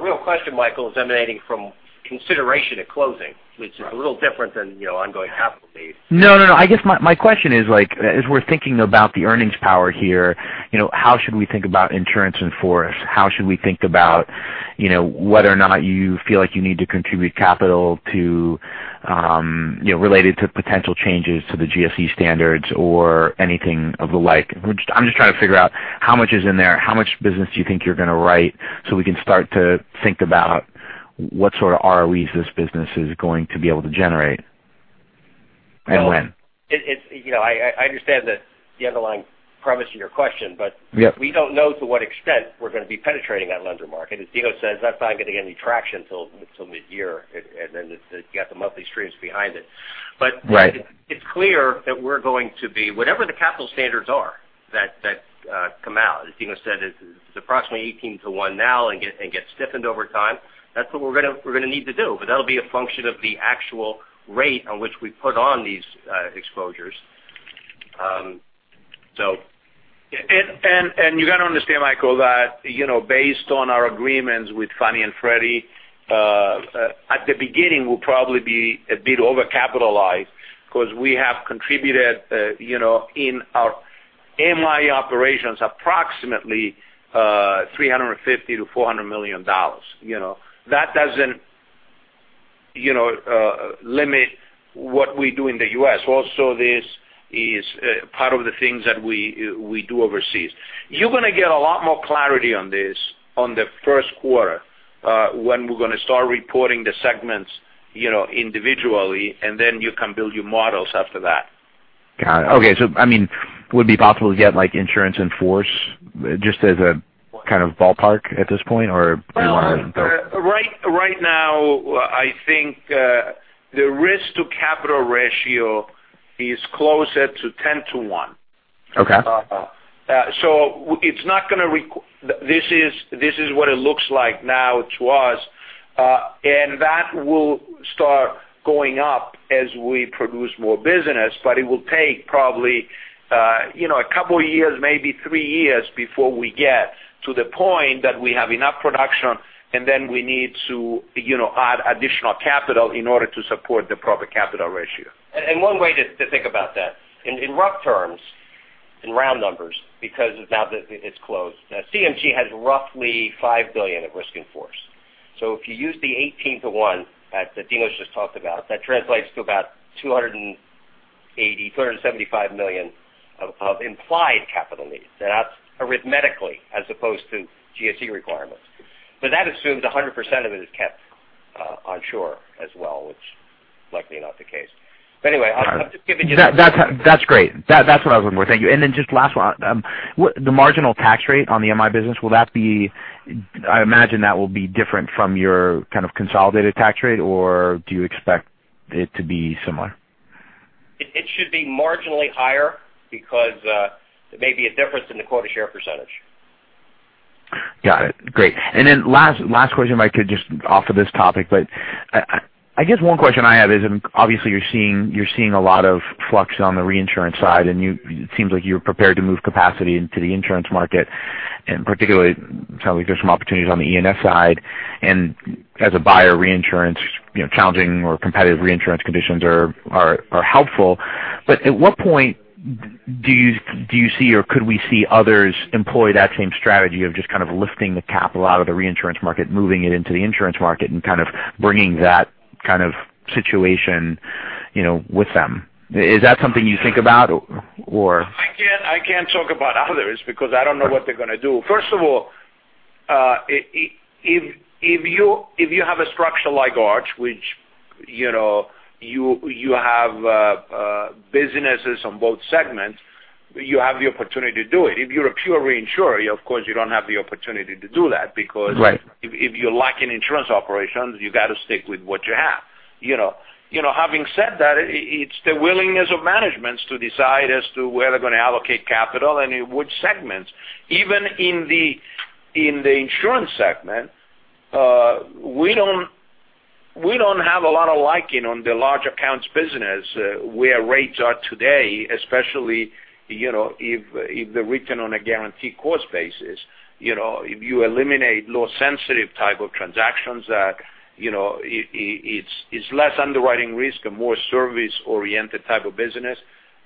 real question, Michael, is emanating from consideration at closing, which is a little different than ongoing capital base. I guess my question is like, as we're thinking about the earnings power here, how should we think about insurance in force? How should we think about whether or not you feel like you need to contribute capital related to potential changes to the GSE standards or anything of the like? I'm just trying to figure out how much is in there, how much business do you think you're going to write, so we can start to think about what sort of ROEs this business is going to be able to generate, and when. I understand the underlying premise in your question. Yep We don't know to what extent we're going to be penetrating that lender market. As Dinos says, that's not going to get any traction till mid-year. Then you got the monthly streams behind it. Right. It's clear that we're going to be, whatever the capital standards are that come out, as Dinos said, it's approximately 18 to 1 now and gets stiffened over time. That's what we're going to need to do. That'll be a function of the actual rate on which we put on these exposures. You got to understand, Michael, that based on our agreements with Fannie and Freddie, at the beginning, we'll probably be a bit overcapitalized because we have contributed, in our MI operations, approximately $350 million-$400 million. That doesn't limit what we do in the U.S. This is part of the things that we do overseas. You're going to get a lot more clarity on this on the first quarter, when we're going to start reporting the segments individually. Then you can build your models after that. Got it. Okay. Would it be possible to get insurance in force just as a kind of ballpark at this point? Or do you want to- Right now, I think the risk to capital ratio is closer to 10 to 1. Okay. This is what it looks like now to us, that will start going up as we produce more business. It will take probably a couple of years, maybe 3 years, before we get to the point that we have enough production, we need to add additional capital in order to support the proper capital ratio. One way to think about that, in rough terms, in round numbers, because now that it's closed. CMG has roughly $5 billion of risk in force. If you use the 18 to 1 that Dinos just talked about, that translates to about $275 million of implied capital needs. That's arithmetically as opposed to GSE requirements. That assumes 100% of it is kept onshore as well, which is likely not the case. Anyway, I'm just giving you- That's great. That's what I was looking for. Thank you. Just last one. The marginal tax rate on the MI business, I imagine that will be different from your kind of consolidated tax rate, or do you expect it to be similar? It should be marginally higher because there may be a difference in the quota share percentage. Got it. Great. Last question, Michael, just off of this topic, but I guess one question I have is, obviously you're seeing a lot of flux on the reinsurance side, and it seems like you're prepared to move capacity into the insurance market. Particularly, it sounds like there's some opportunities on the E&S side. As a buyer, reinsurance, challenging or competitive reinsurance conditions are helpful. At what point do you see or could we see others employ that same strategy of just kind of lifting the capital out of the reinsurance market, moving it into the insurance market, and kind of bringing that kind of situation with them? Is that something you think about or? I can't talk about others because I don't know what they're going to do. First of all, if you have a structure like Arch, which you have businesses on both segments, you have the opportunity to do it. If you're a pure reinsurer, of course, you don't have the opportunity to do that because. Right If you lack in insurance operations, you got to stick with what you have. Having said that, it's the willingness of managements to decide as to where they're going to allocate capital and in which segments. Even in the insurance segment, we don't have a lot of liking on the large accounts business where rates are today, especially if they're written on a guaranteed cost basis. If you eliminate loss-sensitive type of transactions, it's less underwriting risk and more service-oriented type of business.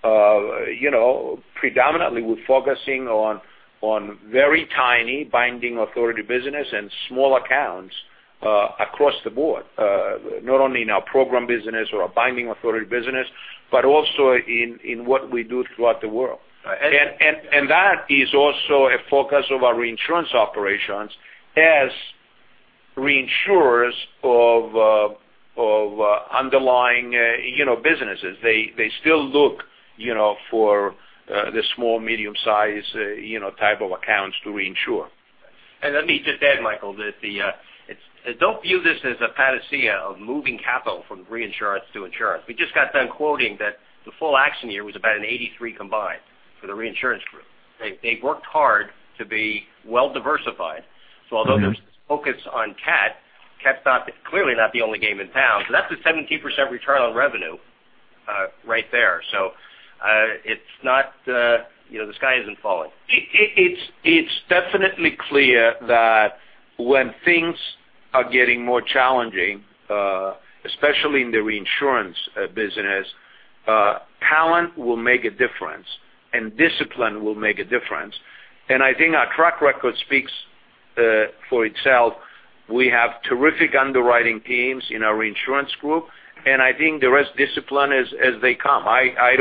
Predominantly, we're focusing on very tiny binding authority business and small accounts across the board. Not only in our program business or our binding authority business, but also in what we do throughout the world. That is also a focus of our reinsurance operations as reinsurers of underlying businesses. They still look for the small, medium size type of accounts to reinsure. Let me just add, Michael, don't view this as a panacea of moving capital from reinsurance to insurance. We just got done quoting that the full action year was about an 83% combined for the reinsurance group. They've worked hard to be well-diversified. Although there's this focus on CAT's clearly not the only game in town. That's a 17% return on revenue right there. The sky isn't falling. It's definitely clear that when things are getting more challenging, especially in the reinsurance business, talent will make a difference and discipline will make a difference. I think our track record speaks for itself. We have terrific underwriting teams in our reinsurance group, and I think the rest discipline as they come. I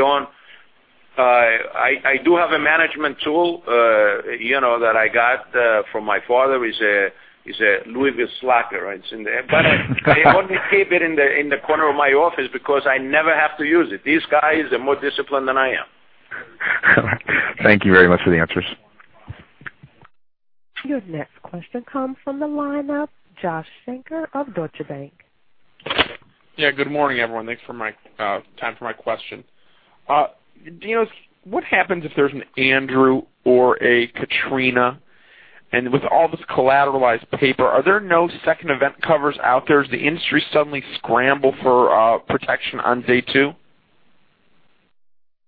do have a management tool that I got from my father. It's a Louisville Slugger. It's in there. I only keep it in the corner of my office because I never have to use it. These guys are more disciplined than I am. Thank you very much for the answers. Your next question comes from the line of Josh Shanker of Deutsche Bank. Yeah. Good morning, everyone. Thanks for my time for my question. Dinos, what happens if there's an Andrew or a Katrina? With all this collateralized paper, are there no second event covers out there as the industry suddenly scramble for protection on day two?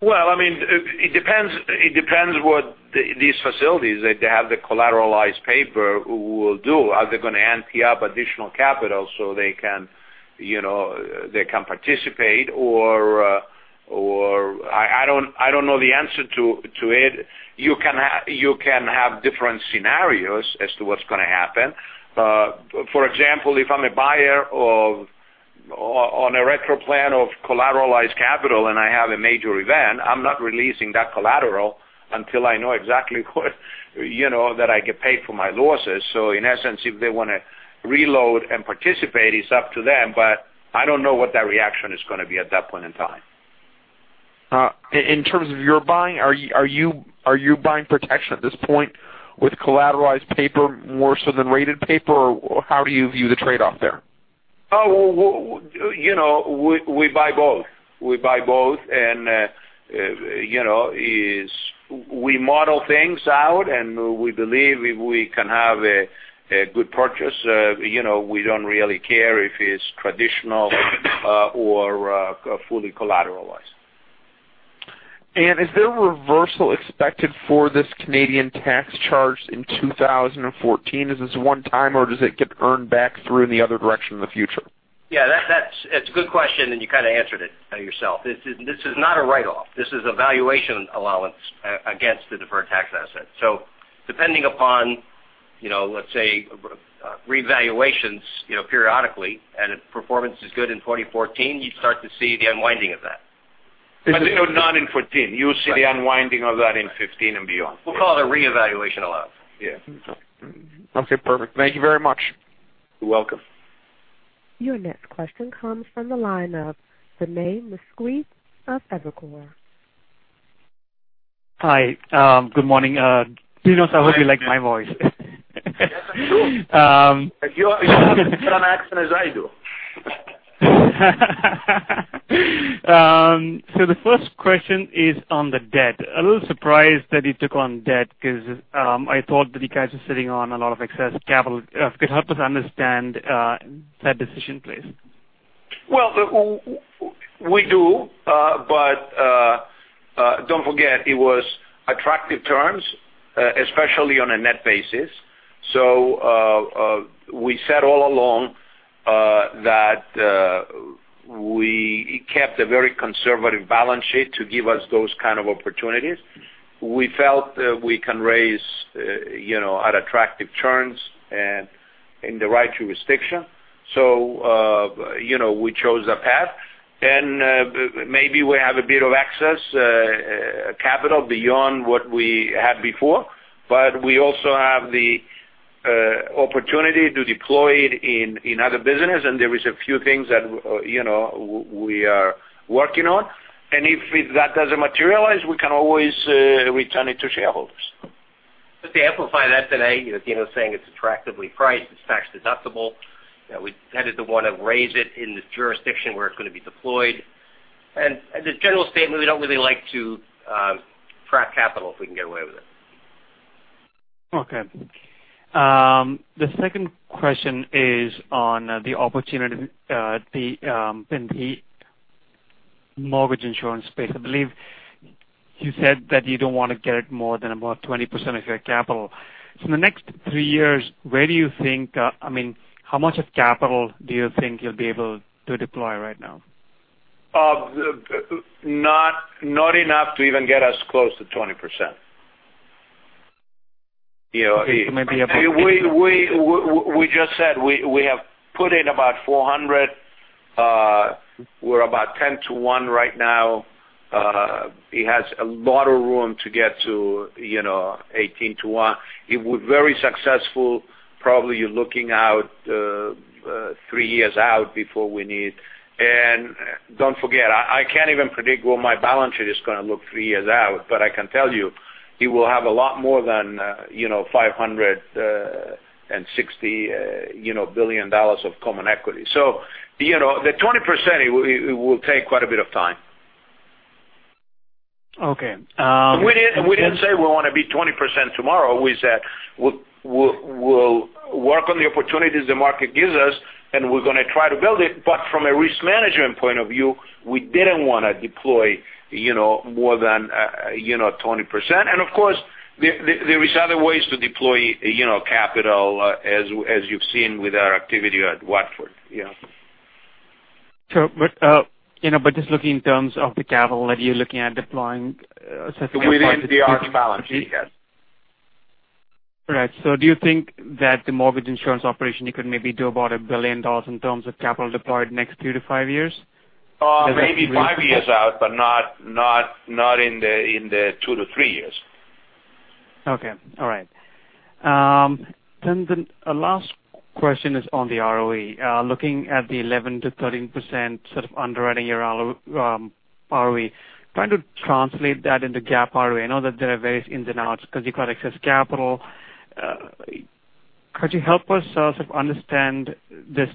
Well, it depends what these facilities that have the collateralized paper will do. Are they going to ante up additional capital so they can participate or I don't know the answer to it. You can have different scenarios as to what's going to happen. For example, if I'm a buyer on a retro plan of collateralized capital and I have a major event, I'm not releasing that collateral until I know exactly that I get paid for my losses. In essence, if they want to reload and participate, it's up to them, but I don't know what that reaction is going to be at that point in time. In terms of your buying, are you buying protection at this point with collateralized paper more so than rated paper, or how do you view the trade-off there? We buy both. We buy both, and we model things out, and we believe if we can have a good purchase, we don't really care if it's traditional or fully collateralized. Is there a reversal expected for this Canadian tax charge in 2014? Is this one time, or does it get earned back through in the other direction in the future? That's a good question, and you kind of answered it yourself. This is not a write-off. This is a valuation allowance against the deferred tax asset. Depending upon, let's say, revaluations periodically, and if performance is good in 2014, you'd start to see the unwinding of that. Not in 2014. You'll see the unwinding of that in 2015 and beyond. We'll call it a reevaluation allowance. Yeah. Okay, perfect. Thank you very much. You're welcome. Your next question comes from the line of Vinay Misquith of Evercore. Hi. Good morning. Dinos, I hope you like my voice. Yes, that's true. If you have an accent as I do. The first question is on the debt. A little surprised that you took on debt because I thought that you guys are sitting on a lot of excess capital. Could help us understand that decision, please. We do but, don't forget, it was attractive terms, especially on a net basis. We said all along that we kept a very conservative balance sheet to give us those kind of opportunities. We felt we can raise at attractive terms and in the right jurisdiction. We chose a path, and maybe we have a bit of excess capital beyond what we had before, but we also have the opportunity to deploy it in other business, and there is a few things that we are working on. If that doesn't materialize, we can always return it to shareholders. Just to amplify that, Pranay, Dinos is saying it's attractively priced. It's tax-deductible. We tended to want to raise it in the jurisdiction where it's going to be deployed. As a general statement, we don't really like to trap capital if we can get away with it. Okay. The second question is on the opportunity in the mortgage insurance space. I believe you said that you don't want to get it more than about 20% of your capital. In the next three years, how much of capital do you think you'll be able to deploy right now? Not enough to even get us close to 20%. Okay. Maybe about. We just said we have put in about $400. We're about 10 to 1 right now. It has a lot of room to get to 18 to 1. If we're very successful, probably you're looking out three years out before we need. Don't forget, I can't even predict what my balance sheet is going to look three years out. I can tell you, it will have a lot more than $560 billion of common equity. The 20% will take quite a bit of time. Okay. We didn't say we want to be 20% tomorrow. We said we'll work on the opportunities the market gives us, we're going to try to build it. From a risk management point of view, we didn't want to deploy more than 20%. Of course, there is other ways to deploy capital as you've seen with our activity at Watford. Yeah. Sure. Just looking in terms of the capital that you're looking at deploying. Within the Arch balance sheet, yes. Do you think that the Mortgage Insurance operation, you could maybe do about $1 billion in terms of capital deployed next 3-5 years? Maybe 5 years out, but not in the 2-3 years. Okay. All right. The last question is on the ROE. Looking at the 11%-13% sort of underwriting your ROE. Trying to translate that into GAAP ROE. I know that there are various ins and outs because you've got excess capital. Could you help us sort of understand this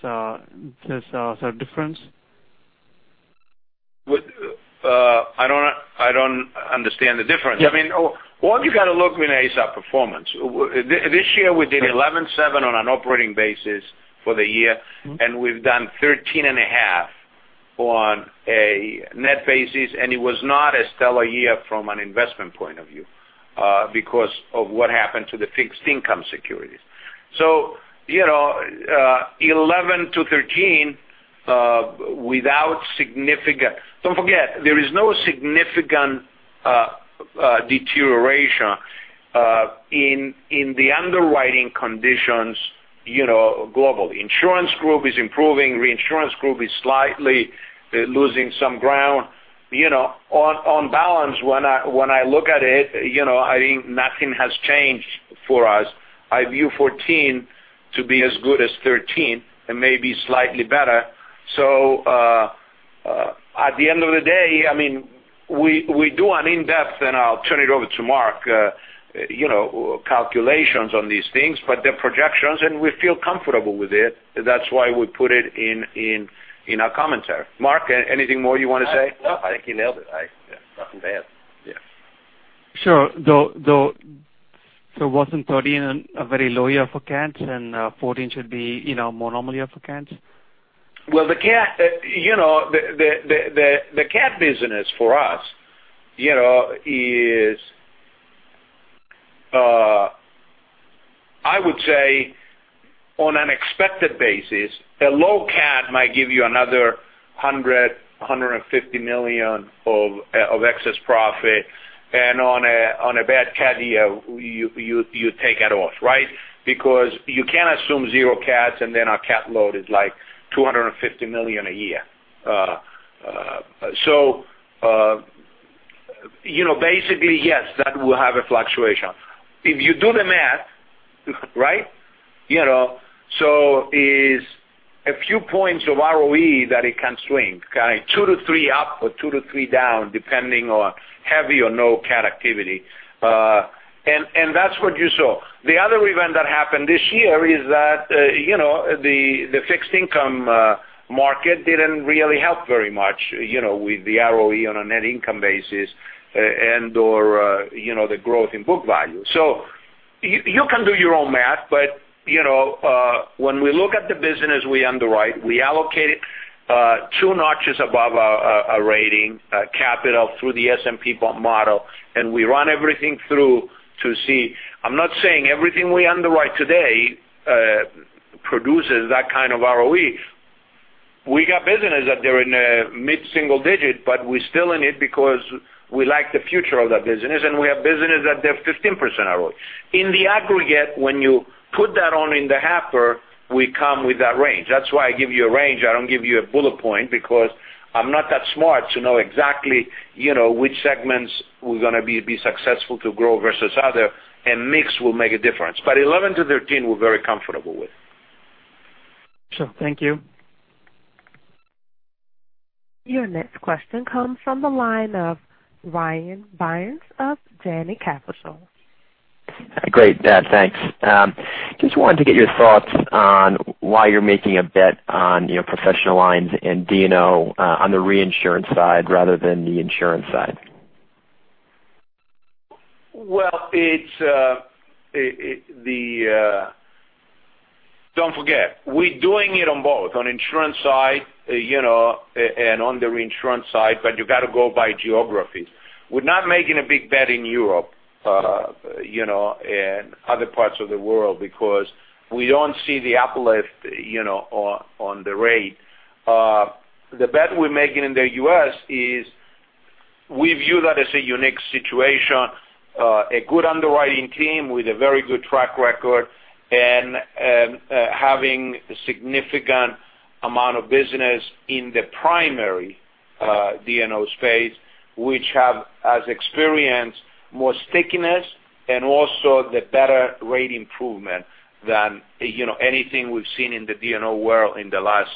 sort of difference? I don't understand the difference. All you got to look when I say performance. This year, we did 11.7 on an operating basis for the year, and we've done 13.5 on a net basis, and it was not a stellar year from an investment point of view because of what happened to the fixed income securities. 11-13. Don't forget, there is no significant deterioration in the underwriting conditions globally. Insurance Group is improving. Reinsurance Group is slightly losing some ground. On balance, when I look at it, I think nothing has changed for us. I view 2014 to be as good as 2013 and maybe slightly better. At the end of the day, we do an in-depth, and I'll turn it over to Mark, calculations on these things, but they're projections, and we feel comfortable with it. That's why we put it in our commentary. Mark, anything more you want to say? No, I think you nailed it. Nothing to add. Yeah. Sure. Wasn't 2013 a very low year for CATs, and 2014 should be a more normal year for CATs? Well, the CAT business for us is, I would say, on an expected basis, a low CAT might give you another $100 million-$150 million of excess profit. On a bad CAT year, you take it off, right? Because you can't assume zero CATs, and then our CAT load is like $250 million a year. Basically, yes, that will have a fluctuation. If you do the math, so is a few points of ROE that it can swing. 2-3 up or 2-3 down, depending on heavy or no CAT activity. That's what you saw. The other event that happened this year is that the fixed income market didn't really help very much, with the ROE on a net income basis and/or the growth in book value. You can do your own math, but when we look at the business we underwrite, we allocate two notches above a rating capital through the S&P model, and we run everything through to see. I'm not saying everything we underwrite today produces that kind of ROE. We got businesses that they're in the mid-single digit, but we're still in it because we like the future of that business, and we have businesses that they're 15% ROE. In the aggregate, when you put that on in the hopper, we come with that range. That's why I give you a range, I don't give you a bullet point because I'm not that smart to know exactly which segments we're going to be successful to grow versus other, and mix will make a difference. But 11%-13%, we're very comfortable with. Sure. Thank you. Your next question comes from the line of Ryan Buser of Danny Capital. Great. Yeah, thanks. Just wanted to get your thoughts on why you're making a bet on professional lines and D&O on the reinsurance side rather than the insurance side. Well, don't forget, we're doing it on both, on insurance side, and on the reinsurance side, you got to go by geographies. We're not making a big bet in Europe, and other parts of the world because we don't see the uplift on the rate. The bet we're making in the U.S. is we view that as a unique situation, a good underwriting team with a very good track record and having significant amount of business in the primary D&O space, which have as experience, more stickiness and also the better rate improvement than anything we've seen in the D&O world in the last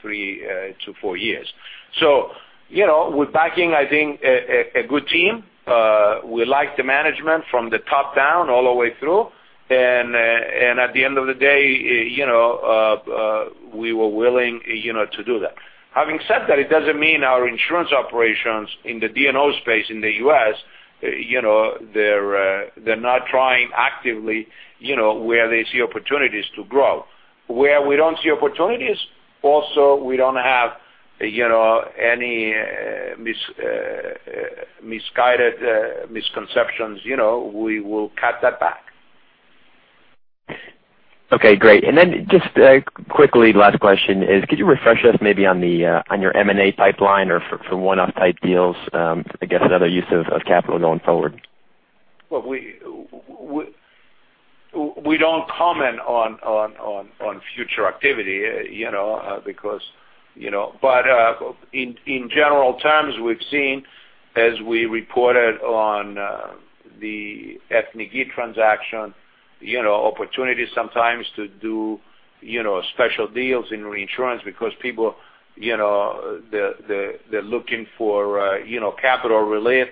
three to four years. We're backing, I think, a good team. We like the management from the top down all the way through. At the end of the day, we were willing to do that. Having said that, it doesn't mean our insurance operations in the D&O space in the U.S., they're not trying actively where they see opportunities to grow. Where we don't see opportunities, also, we don't have any misguided misconceptions. We will cut that back. Okay, great. Just quickly, last question is, could you refresh us maybe on your M&A pipeline or for one-off type deals, I guess another use of capital going forward? We don't comment on future activity. In general terms, we've seen, as we reported on the special transaction, opportunities sometimes to do special deals in reinsurance because people, they're looking for capital relief.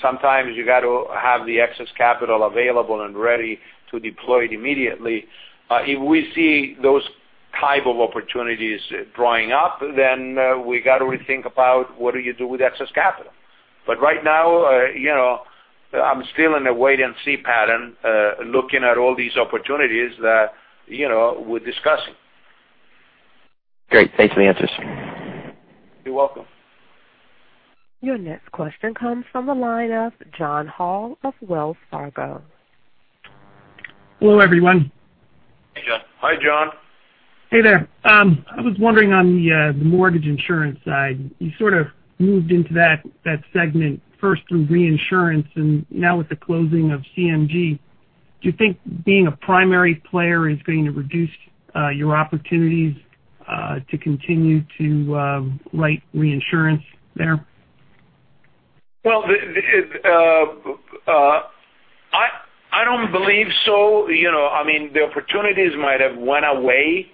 Sometimes you got to have the excess capital available and ready to deploy it immediately. If we see those type of opportunities drawing up, we got to rethink about what do you do with excess capital. Right now, I'm still in a wait-and-see pattern, looking at all these opportunities that we're discussing. Great. Thanks for the answers. You're welcome. Your next question comes from the line of John Nadel of Wells Fargo. Hello, everyone. Hey, John. Hey there. I was wondering on the mortgage insurance side, you sort of moved into that segment first through reinsurance, now with the closing of CMG, do you think being a primary player is going to reduce your opportunities to continue to write reinsurance there? I don't believe so. The opportunities might have went away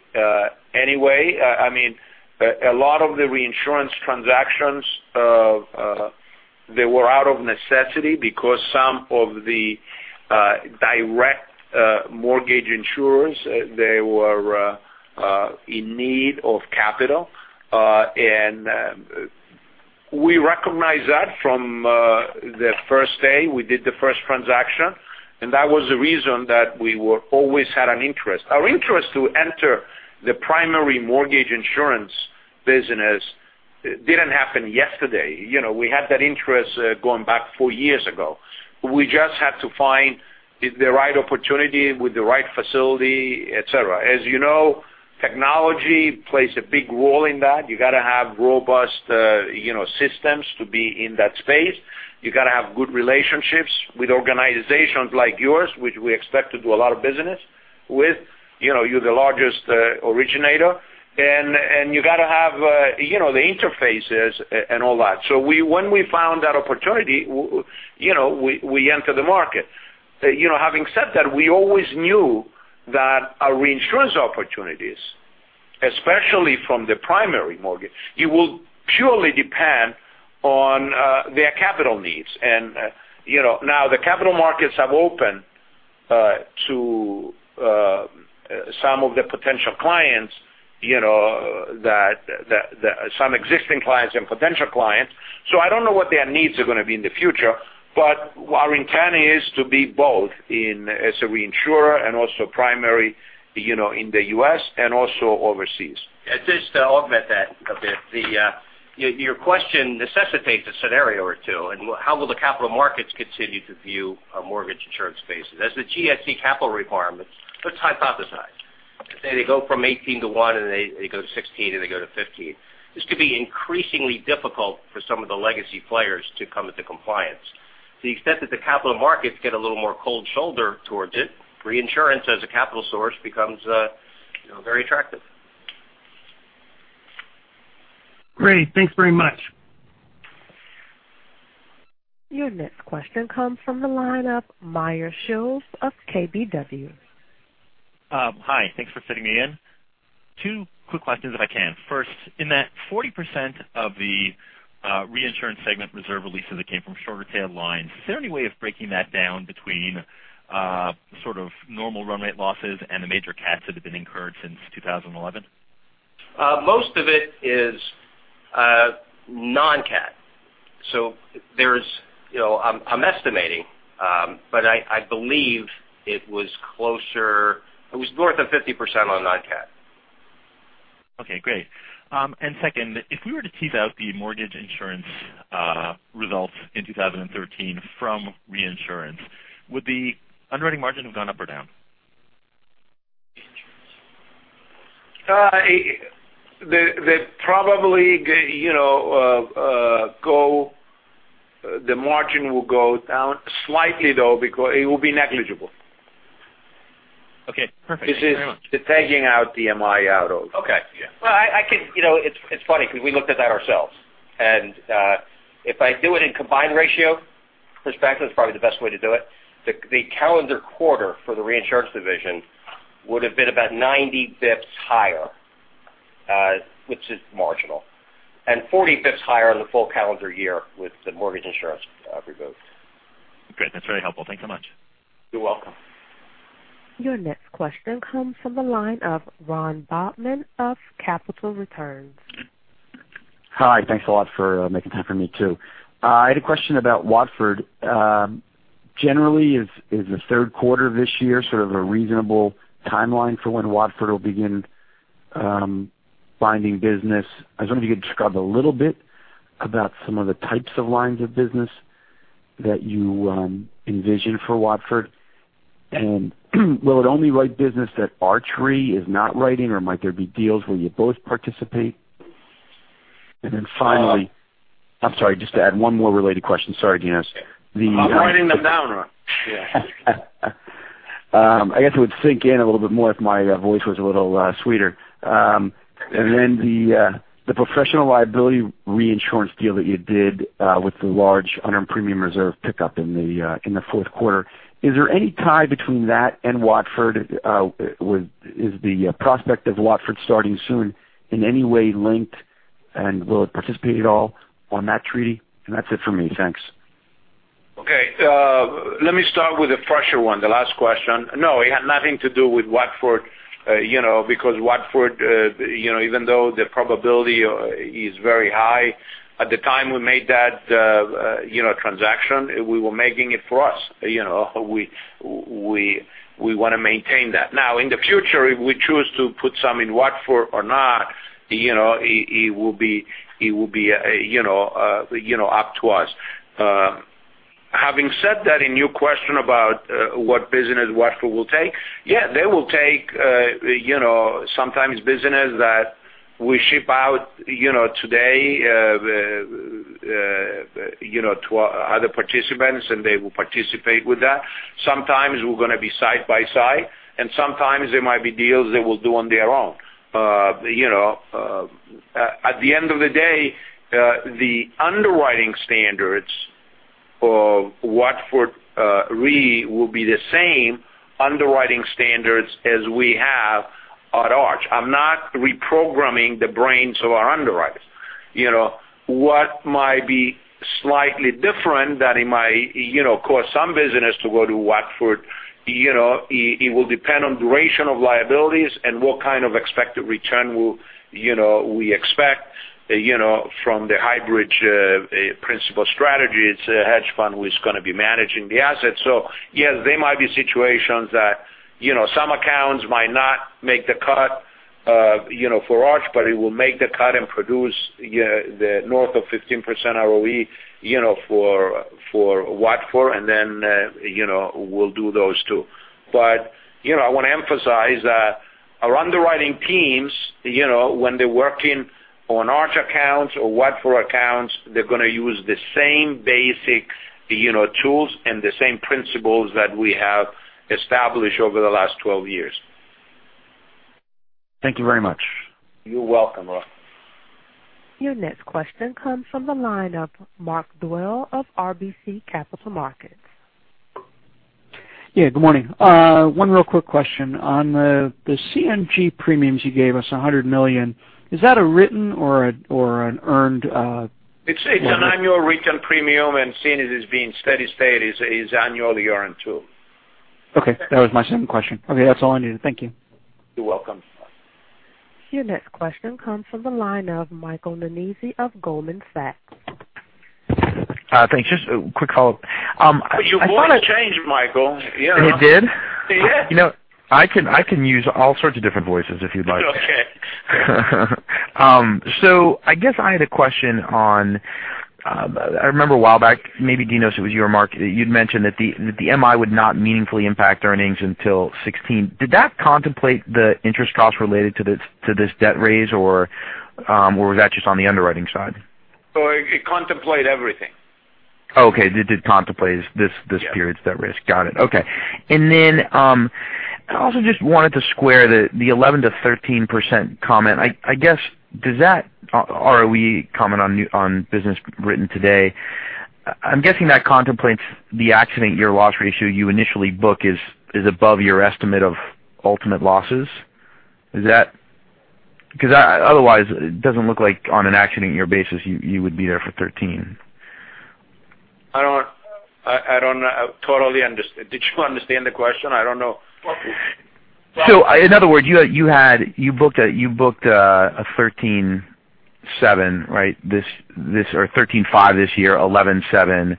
anyway. A lot of the reinsurance transactions, they were out of necessity because some of the direct mortgage insurers, they were in need of capital. We recognized that from the first day we did the first transaction, and that was the reason that we were always had an interest. Our interest to enter the primary mortgage insurance business didn't happen yesterday. We had that interest going back four years ago. We just had to find the right opportunity with the right facility, et cetera. As you know, technology plays a big role in that. You got to have robust systems to be in that space. You got to have good relationships with organizations like yours, which we expect to do a lot of business with. You're the largest originator. You got to have the interfaces and all that. When we found that opportunity, we entered the market. Having said that, we always knew that our reinsurance opportunities, especially from the primary mortgage, it will purely depend on their capital needs. Now the capital markets have opened to some of the potential clients, some existing clients and potential clients. I don't know what their needs are going to be in the future, but our intent is to be both as a reinsurer and also primary, in the U.S. and also overseas. Just to augment that a bit. Your question necessitates a scenario or two and how will the capital markets continue to view a mortgage insurance space. As the GIC capital requirements, let's hypothesize. Say they go from 18 to 1, and they go to 16, and they go to 15. This could be increasingly difficult for some of the legacy players to come into compliance. To the extent that the capital markets get a little more cold shoulder towards it, reinsurance as a capital source becomes very attractive. Great. Thanks very much. Your next question comes from the line of Meyer Shields of KBW. Hi. Thanks for fitting me in. Two quick questions if I can. First, in that 40% of the reinsurance segment reserve releases that came from shorter tail lines, is there any way of breaking that down between sort of normal run rate losses and the major CATs that have been incurred since 2011? Most of it is non-cat. I'm estimating, but I believe it was north of 50% on non-cat. Okay, great. Second, if we were to tease out the mortgage insurance results in 2013 from reinsurance, would the underwriting margin have gone up or down? The margin will go down slightly though, because it will be negligible. Okay, perfect. This is taking out the MI out of. Okay. Yeah. It's funny because we looked at that ourselves. If I do it in combined ratio perspective, it's probably the best way to do it. The calendar quarter for the reinsurance division would've been about 90 basis points higher, which is marginal, and 40 basis points higher on the full calendar year with the mortgage insurance removed. Great. That's very helpful. Thanks so much. You're welcome. Your next question comes from the line of Ron Bobman of Capital Returns. Hi. Thanks a lot for making time for me too. I had a question about Watford. Generally, is the third quarter of this year sort of a reasonable timeline for when Watford will begin binding business? I was wondering if you could describe a little bit about some of the types of lines of business that you envision for Watford, and will it only write business that Arch Re is not writing, or might there be deals where you both participate? And then finally, I'm sorry, just to add one more related question. Sorry, Dinos. I'm writing them down, Ron. Yeah. I guess it would sink in a little bit more if my voice was a little sweeter. Then the professional liability reinsurance deal that you did with the large earned premium reserve pickup in the fourth quarter, is there any tie between that and Watford? Is the prospect of Watford starting soon in any way linked, and will it participate at all on that treaty? That's it for me. Thanks. Okay. Let me start with the fresher one, the last question. No, it had nothing to do with Watford, because Watford, even though the probability is very high, at the time we made that transaction, we were making it for us. We want to maintain that. Now, in the future, if we choose to put some in Watford or not, it will be up to us. Having said that, in your question about what business Watford will take, yeah, they will take sometimes business that we ship out today to other participants, and they will participate with that. Sometimes we're going to be side by side, and sometimes they might be deals they will do on their own. At the end of the day, the underwriting standards for Watford Re will be the same underwriting standards as we have at Arch. I'm not reprogramming the brains of our underwriters. What might be slightly different that it might cause some business to go to Watford, it will depend on duration of liabilities and what kind of expected return we expect from the Highbridge Principal Strategies. It's a hedge fund who is going to be managing the assets. Yes, there might be situations that some accounts might not make the cut for Arch, but it will make the cut and produce the north of 15% ROE for Watford, and then we'll do those two. I want to emphasize that our underwriting teams, when they're working on Arch accounts or Watford accounts, they're going to use the same basic tools and the same principles that we have established over the last 12 years. Thank you very much. You're welcome, Ross. Your next question comes from the line of Mark Dwelle of RBC Capital Markets. Yeah, good morning. One real quick question on the CMG premiums you gave us, $100 million. Is that a written or an earned- It's an annual written premium, and seeing it is being steady state, is annually earned too. Okay. That was my second question. Okay, that's all I needed. Thank you. You're welcome. Your next question comes from the line of Michael Nannizzi of Goldman Sachs. Thanks. Just a quick call. Your voice changed, Michael. Yeah. It did? Yeah. I can use all sorts of different voices if you'd like. Okay. I guess I had a question on, I remember a while back, maybe Dinos', it was your mark. You'd mentioned that the MI would not meaningfully impact earnings until 2016. Did that contemplate the interest costs related to this debt raise, or was that just on the underwriting side? It contemplates everything. Okay. It contemplates. Yeah period's debt risk. Got it. Okay. Then, I also just wanted to square the 11% to 13% comment. I guess, does that ROE comment on business written today, I'm guessing that contemplates the accident year loss ratio you initially book is above your estimate of ultimate losses. Otherwise it doesn't look like on an accident year basis you would be there for 13. I don't totally. Did you understand the question? I don't know. In other words, you booked a 13.7%, right? 13.5% this year, 11.7%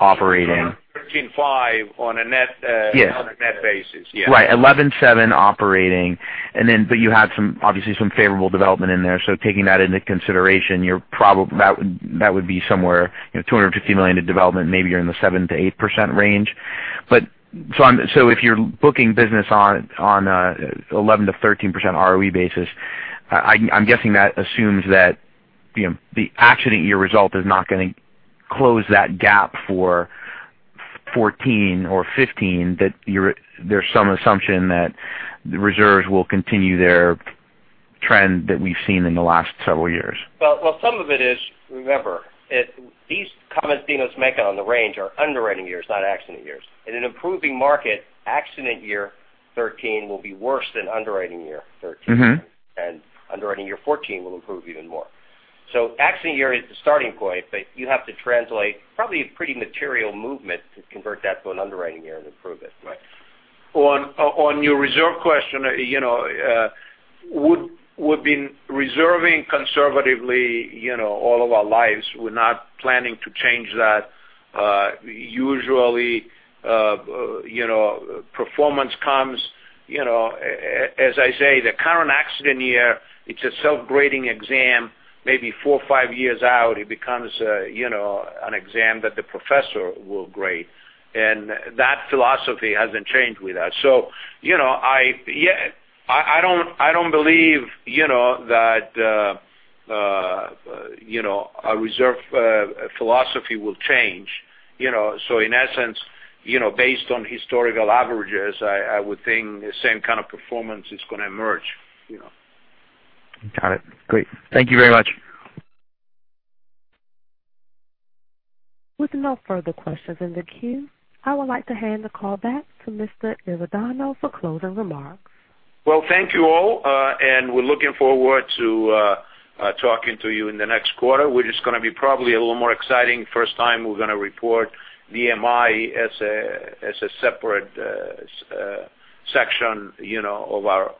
operating. 13.5 on a net- Yes on a net basis. Yeah. Right. 11.7% operating. You had obviously some favorable development in there, so taking that into consideration, that would be somewhere $250 million of development, maybe you're in the 7%-8% range. If you're booking business on 11%-13% ROE basis, I'm guessing that assumes that the accident year result is not gonna close that gap for 14% or 15%, that there's some assumption that the reserves will continue their trend that we've seen in the last several years. Some of it is, remember, these comments Dinos' making on the range are underwriting years, not accident years. In an improving market, accident year 13 will be worse than underwriting year 13. Underwriting year 14 will improve even more. Accident year is the starting point, but you have to translate probably a pretty material movement to convert that to an underwriting year and improve it. Right. On your reserve question, we've been reserving conservatively all of our lives. We're not planning to change that. Usually, performance comes, as I say, the current accident year, it's a self-grading exam, maybe four or five years out, it becomes an exam that the professor will grade. That philosophy hasn't changed with that. I don't believe our reserve philosophy will change. In essence, based on historical averages, I would think the same kind of performance is going to emerge. Got it. Great. Thank you very much. With no further questions in the queue, I would like to hand the call back to Mr. Rovedano for closing remarks. Well, thank you all, and we're looking forward to talking to you in the next quarter, which is going to be probably a little more exciting. First time we're going to report MI as a separate section of our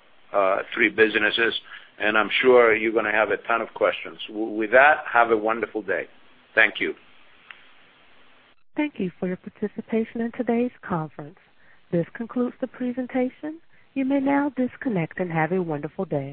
three businesses, and I'm sure you're going to have a ton of questions. With that, have a wonderful day. Thank you. Thank you for your participation in today's conference. This concludes the presentation. You may now disconnect and have a wonderful day.